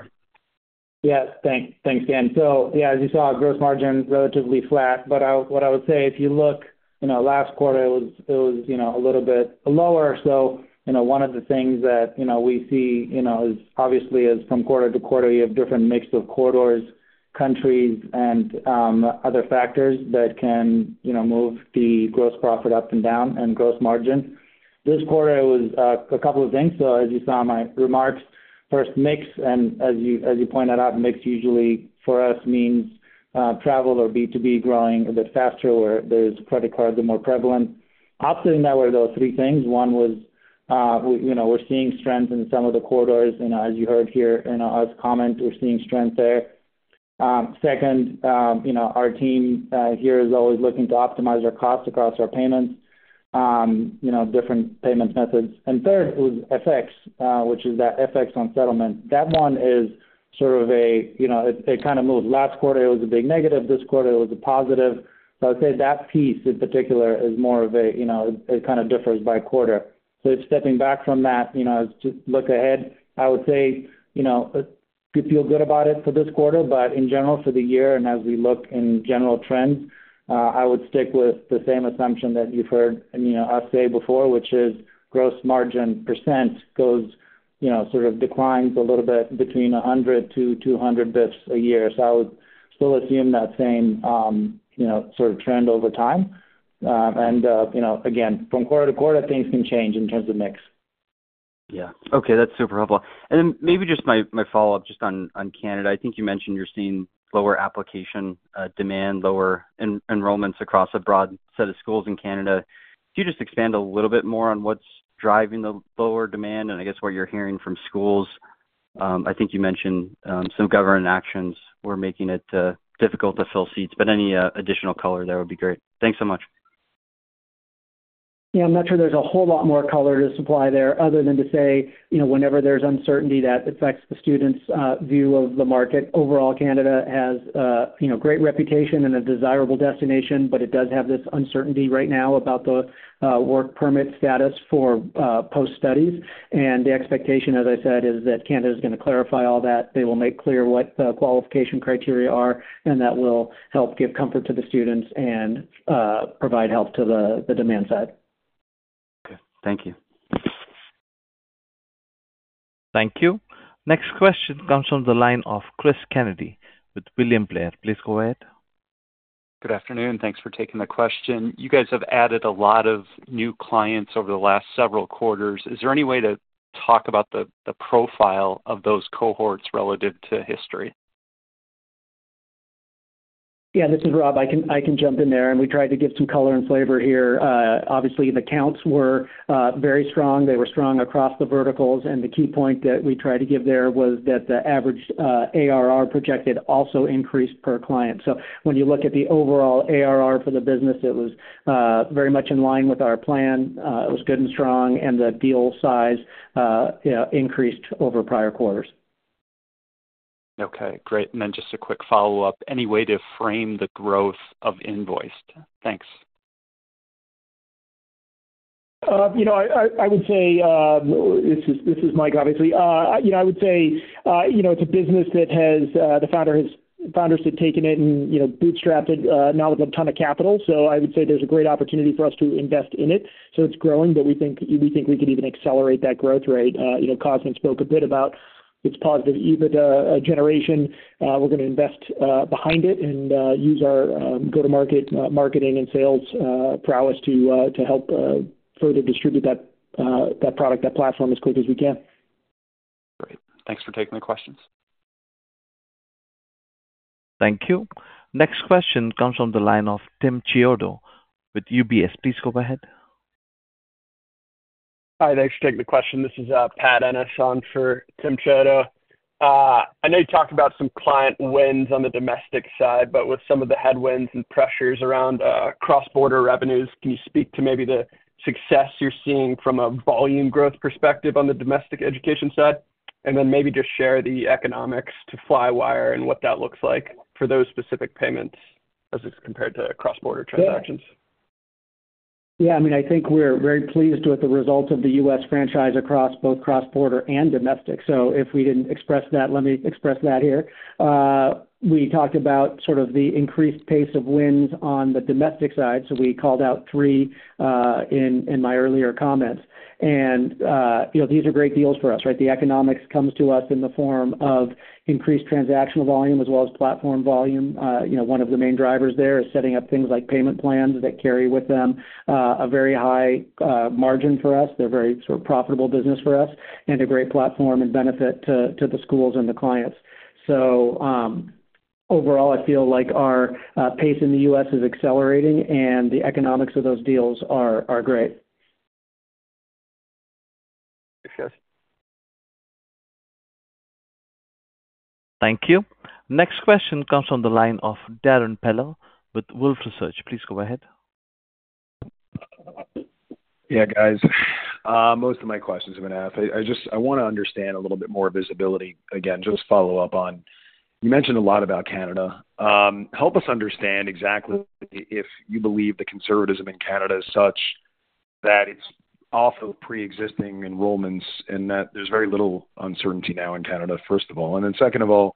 Yeah. Thanks, Ken. So yeah, as you saw, gross margin relatively flat, but I, what I would say, if you look, you know, last quarter, it was, you know, a little bit lower. So, you know, one of the things that, you know, we see, you know, is obviously as from quarter to quarter, you have different mix of corridors, countries, and other factors that can, you know, move the gross profit up and down and gross margin. This quarter, it was a couple of things. So as you saw in my remarks, first, mix, and as you, as you pointed out, mix usually for us means travel or B2B growing a bit faster where there's credit cards are more prevalent. Opposite in that were those three things. One was we, you know, we're seeing strength in some of the corridors. You know, as you heard here, in U.S. comment, we're seeing strength there. Second, you know, our team here is always looking to optimize our costs across our payments, you know, different payment methods. And third was FX, which is that FX on settlement. That one is sort of a, you know, it kind of moves. Last quarter, it was a big negative. This quarter, it was a positive. So I'd say that piece, in particular, is more of a, you know, it kind of differs by quarter. So stepping back from that, you know, as just look ahead, I would say, you know, we feel good about it for this quarter, but in general, for the year and as we look in general trends, I would stick with the same assumption that you've heard, you know, us say before, which is gross margin percent goes, you know, sort of declines a little bit between 100-200 basis points a year. So I would still assume that same, you know, sort of trend over time. And, you know, again, from quarter to quarter, things can change in terms of mix. Yeah. Okay, that's super helpful. And then maybe just my follow-up, just on Canada. I think you mentioned you're seeing lower application demand, lower enrollments across a broad set of schools in Canada. Could you just expand a little bit more on what's driving the lower demand and I guess what you're hearing from schools? I think you mentioned some government actions were making it difficult to fill seats, but any additional color there would be great. Thanks so much. Yeah, I'm not sure there's a whole lot more color to supply there other than to say, you know, whenever there's uncertainty, that affects the students' view of the market. Overall, Canada has, you know, great reputation and a desirable destination, but it does have this uncertainty right now about the work permit status for post studies. And the expectation, as I said, is that Canada is gonna clarify all that. They will make clear what the qualification criteria are, and that will help give comfort to the students and provide help to the demand side. Okay. Thank you. Thank you. Next question comes from the line of Chris Kennedy with William Blair. Please go ahead. Good afternoon. Thanks for taking the question. You guys have added a lot of new clients over the last several quarters. Is there any way to talk about the profile of those cohorts relative to history? Yeah, this is Rob. I can, I can jump in there, and we tried to give some color and flavor here. Obviously, the counts were very strong. They were strong across the verticals, and the key point that we tried to give there was that the average ARR projected also increased per client. So when you look at the overall ARR for the business, it was very much in line with our plan. It was good and strong, and the deal size yeah increased over prior quarters. Okay, great. Just a quick follow-up: Any way to frame the growth of Invoiced? Thanks. You know, I would say... This is Mike, obviously. You know, I would say, you know, it's a business that has, the founder has-- founders have taken it and, you know, bootstrapped, now with a ton of capital. So I would say there's a great opportunity for us to invest in it. So it's growing, but we think we could even accelerate that growth rate. You know, Cosmin spoke a bit about its positive EBITDA generation. We're gonna invest behind it and use our go-to-market marketing and sales prowess to help further distribute that product, that platform as quick as we can. Great. Thanks for taking the questions. Thank you. Next question comes from the line of Tim Chiodo with UBS. Please go ahead. Hi, thanks for taking the question. This is, Pat Ennis on for Tim Chiodo. I know you talked about some client wins on the domestic side, but with some of the headwinds and pressures around, cross-border revenues, can you speak to maybe the success you're seeing from a volume growth perspective on the domestic education side? And then maybe just share the economics to Flywire and what that looks like for those specific payments as it's compared to cross-border transactions. Yeah, I mean, I think we're very pleased with the results of the U.S. franchise across both cross-border and domestic. So if we didn't express that, let me express that here. We talked about sort of the increased pace of wins on the domestic side, so we called out three in my earlier comments. And, you know, these are great deals for us, right? The economics comes to us in the form of increased transactional volume as well as platform volume. You know, one of the main drivers there is setting up things like payment plans that carry with them a very high margin for us. They're very sort of profitable business for us and a great platform and benefit to the schools and the clients. So, overall, I feel like our pace in the U.S. is accelerating, and the economics of those deals are great. Thank you. Next question comes from the line of Darrin Peller with Wolfe Research. Please go ahead. Yeah, guys, most of my questions have been asked. I just—I wanna understand a little bit more visibility. Again, just follow up on, you mentioned a lot about Canada. Help us understand exactly if you believe the conservatism in Canada is such that it's off of preexisting enrollments, and that there's very little uncertainty now in Canada, first of all. And then second of all,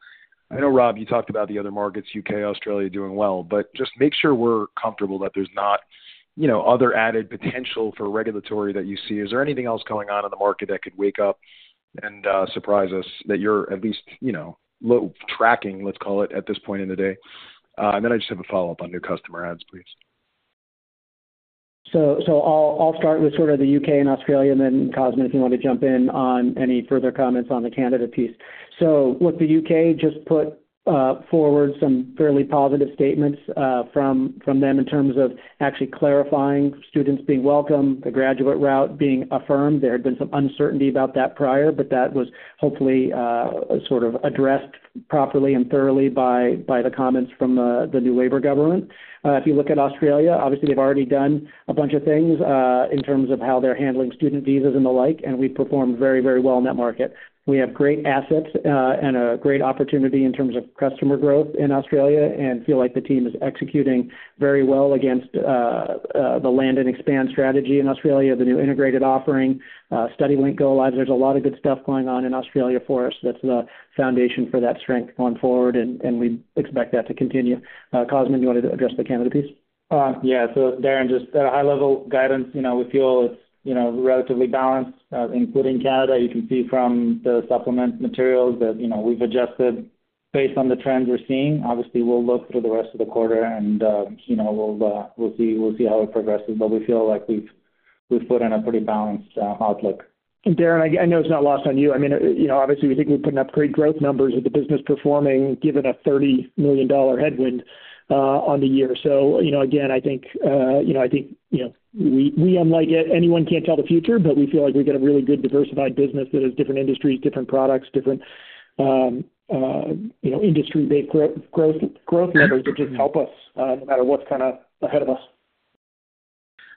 I know, Rob, you talked about the other markets, U.K., Australia, doing well, but just make sure we're comfortable that there's not, you know, other added potential for regulatory that you see. Is there anything else going on in the market that could wake up and surprise us, that you're at least, you know, low-tracking, let's call it, at this point in the day? And then I just have a follow-up on new customer adds, please. So, I'll start with sort of the U.K. and Australia, and then Cosmin, if you want to jump in on any further comments on the Canada piece. So with the U.K., just put forward some fairly positive statements from them in terms of actually clarifying students being welcome, the graduate route being affirmed. There had been some uncertainty about that prior, but that was hopefully sort of addressed properly and thoroughly by the comments from the new Labour government. If you look at Australia, obviously, they've already done a bunch of things in terms of how they're handling student visas and the like, and we've performed very, very well in that market. We have great assets, and a great opportunity in terms of customer growth in Australia and feel like the team is executing very well against, the land and expand strategy in Australia, the new integrated offering, StudyLink go live. There's a lot of good stuff going on in Australia for us that's the foundation for that strength going forward, and, and we expect that to continue. Cosmin, you want to address the Canada piece? Yeah. So Darrin, just at a high level guidance, you know, we feel it's, you know, relatively balanced, including Canada. You can see from the supplement materials that, you know, we've adjusted based on the trends we're seeing. Obviously, we'll look through the rest of the quarter and, you know, we'll see, we'll see how it progresses. But we feel like we've put in a pretty balanced outlook. Darrin, I know it's not lost on you. I mean, you know, obviously, we think we've putting up great growth numbers with the business performing, given a $30 million headwind on the year. So, you know, again, I think, you know, I think, you know, we unlike anyone, can't tell the future, but we feel like we've got a really good diversified business that has different industries, different products, different, you know, industry-based growth, growth numbers that just help us, no matter what's kinda ahead of us.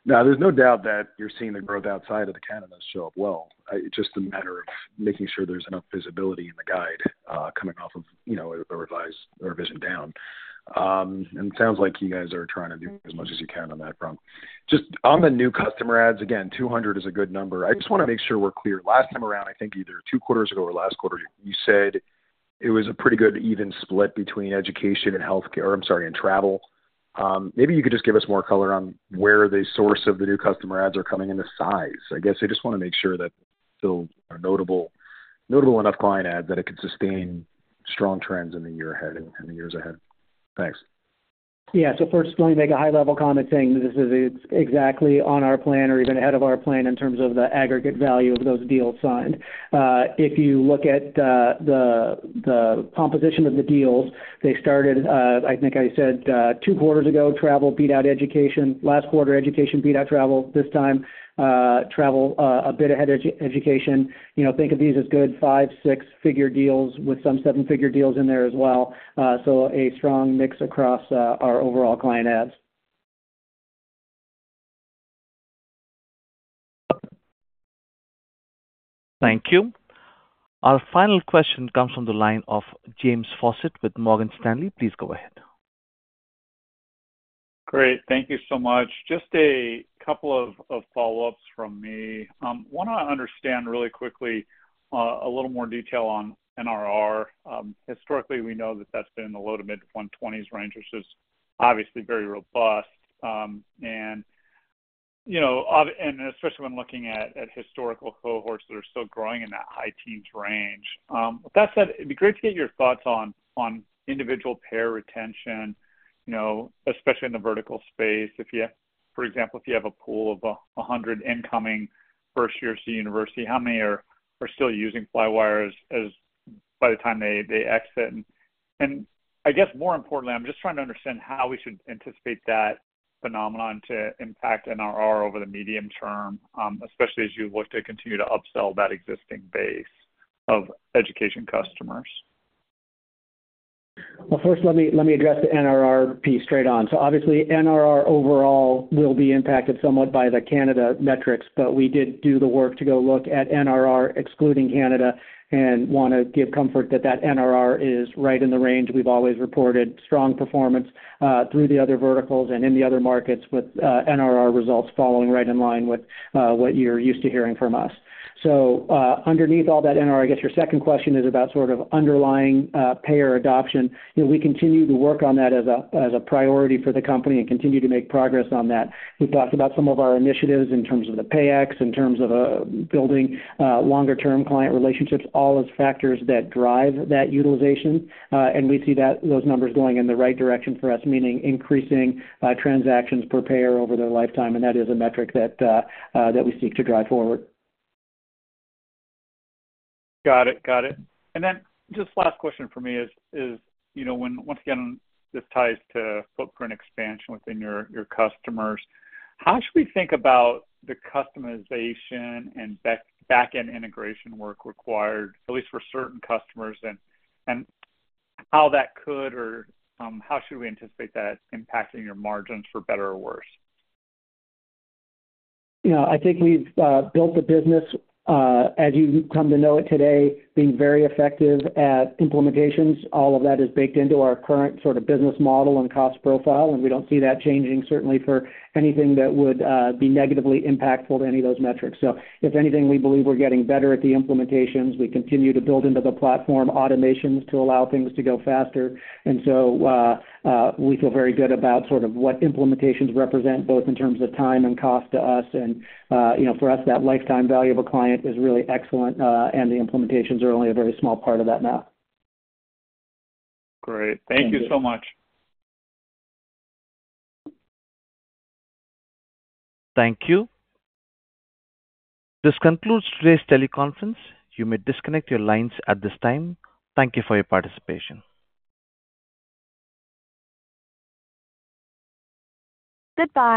Now, there's no doubt that you're seeing the growth outside of the Canada show up well. It's just a matter of making sure there's enough visibility in the guide, coming off of, you know, a revised or revision down. And it sounds like you guys are trying to do as much as you can on that front. Just on the new customer adds, again, 200 is a good number. I just wanna make sure we're clear. Last time around, I think either two quarters ago or last quarter, you said it was a pretty good even split between education and healthcare... I'm sorry, and travel. Maybe you could just give us more color on where the source of the new customer adds are coming in the size. I guess I just wanna make sure that still a notable, notable enough client add that it could sustain strong trends in the year ahead and the years ahead. Thanks. Yeah, so first, let me make a high-level comment saying this is exactly on our plan or even ahead of our plan in terms of the aggregate value of those deals signed. If you look at the composition of the deals, they started, I think I said, two quarters ago, travel beat out education. Last quarter, education beat out travel. This time, travel a bit ahead of education. You know, think of these as good five- and six-figure deals with some seven-figure deals in there as well. So a strong mix across our overall client adds. Thank you. Our final question comes from the line of James Faucette with Morgan Stanley. Please go ahead. Great. Thank you so much. Just a couple of follow-ups from me. One, I understand really quickly, a little more detail on NRR. Historically, we know that that's been in the low- to mid-120s range, which is obviously very robust, and, you know, and especially when looking at historical cohorts that are still growing in that high teens range. With that said, it'd be great to get your thoughts on individual payer retention, you know, especially in the vertical space. If you have, for example, if you have a pool of 100 incoming first years to university, how many are still using Flywire as by the time they exit? I guess more importantly, I'm just trying to understand how we should anticipate that phenomenon to impact NRR over the medium term, especially as you look to continue to upsell that existing base of education customers. Well, first, let me, let me address the NRR piece straight on. So obviously, NRR overall will be impacted somewhat by the Canada metrics, but we did do the work to go look at NRR, excluding Canada, and wanna give comfort that that NRR is right in the range we've always reported. Strong performance through the other verticals and in the other markets, with NRR results falling right in line with what you're used to hearing from us. So, underneath all that, NRR, I guess your second question is about sort of underlying payer adoption. You know, we continue to work on that as a priority for the company and continue to make progress on that. We've talked about some of our initiatives in terms of the payables, in terms of building longer-term client relationships, all those factors that drive that utilization, and we see that, those numbers going in the right direction for us, meaning increasing transactions per payer over their lifetime, and that is a metric that that we seek to drive forward. Got it. Got it. And then just last question for me is, you know, when, once again, this ties to footprint expansion within your, your customers. How should we think about the customization and back-end integration work required, at least for certain customers? And, and how that could or, how should we anticipate that impacting your margins for better or worse? You know, I think we've built the business as you come to know it today, being very effective at implementations. All of that is baked into our current sort of business model and cost profile, and we don't see that changing, certainly for anything that would be negatively impactful to any of those metrics. So if anything, we believe we're getting better at the implementations. We continue to build into the platform automations to allow things to go faster. And so, we feel very good about sort of what implementations represent, both in terms of time and cost to us and, you know, for us, that lifetime value of a client is really excellent, and the implementations are only a very small part of that now. Great. Thank you so much. Thank you. This concludes today's teleconference. You may disconnect your lines at this time. Thank you for your participation. Goodbye.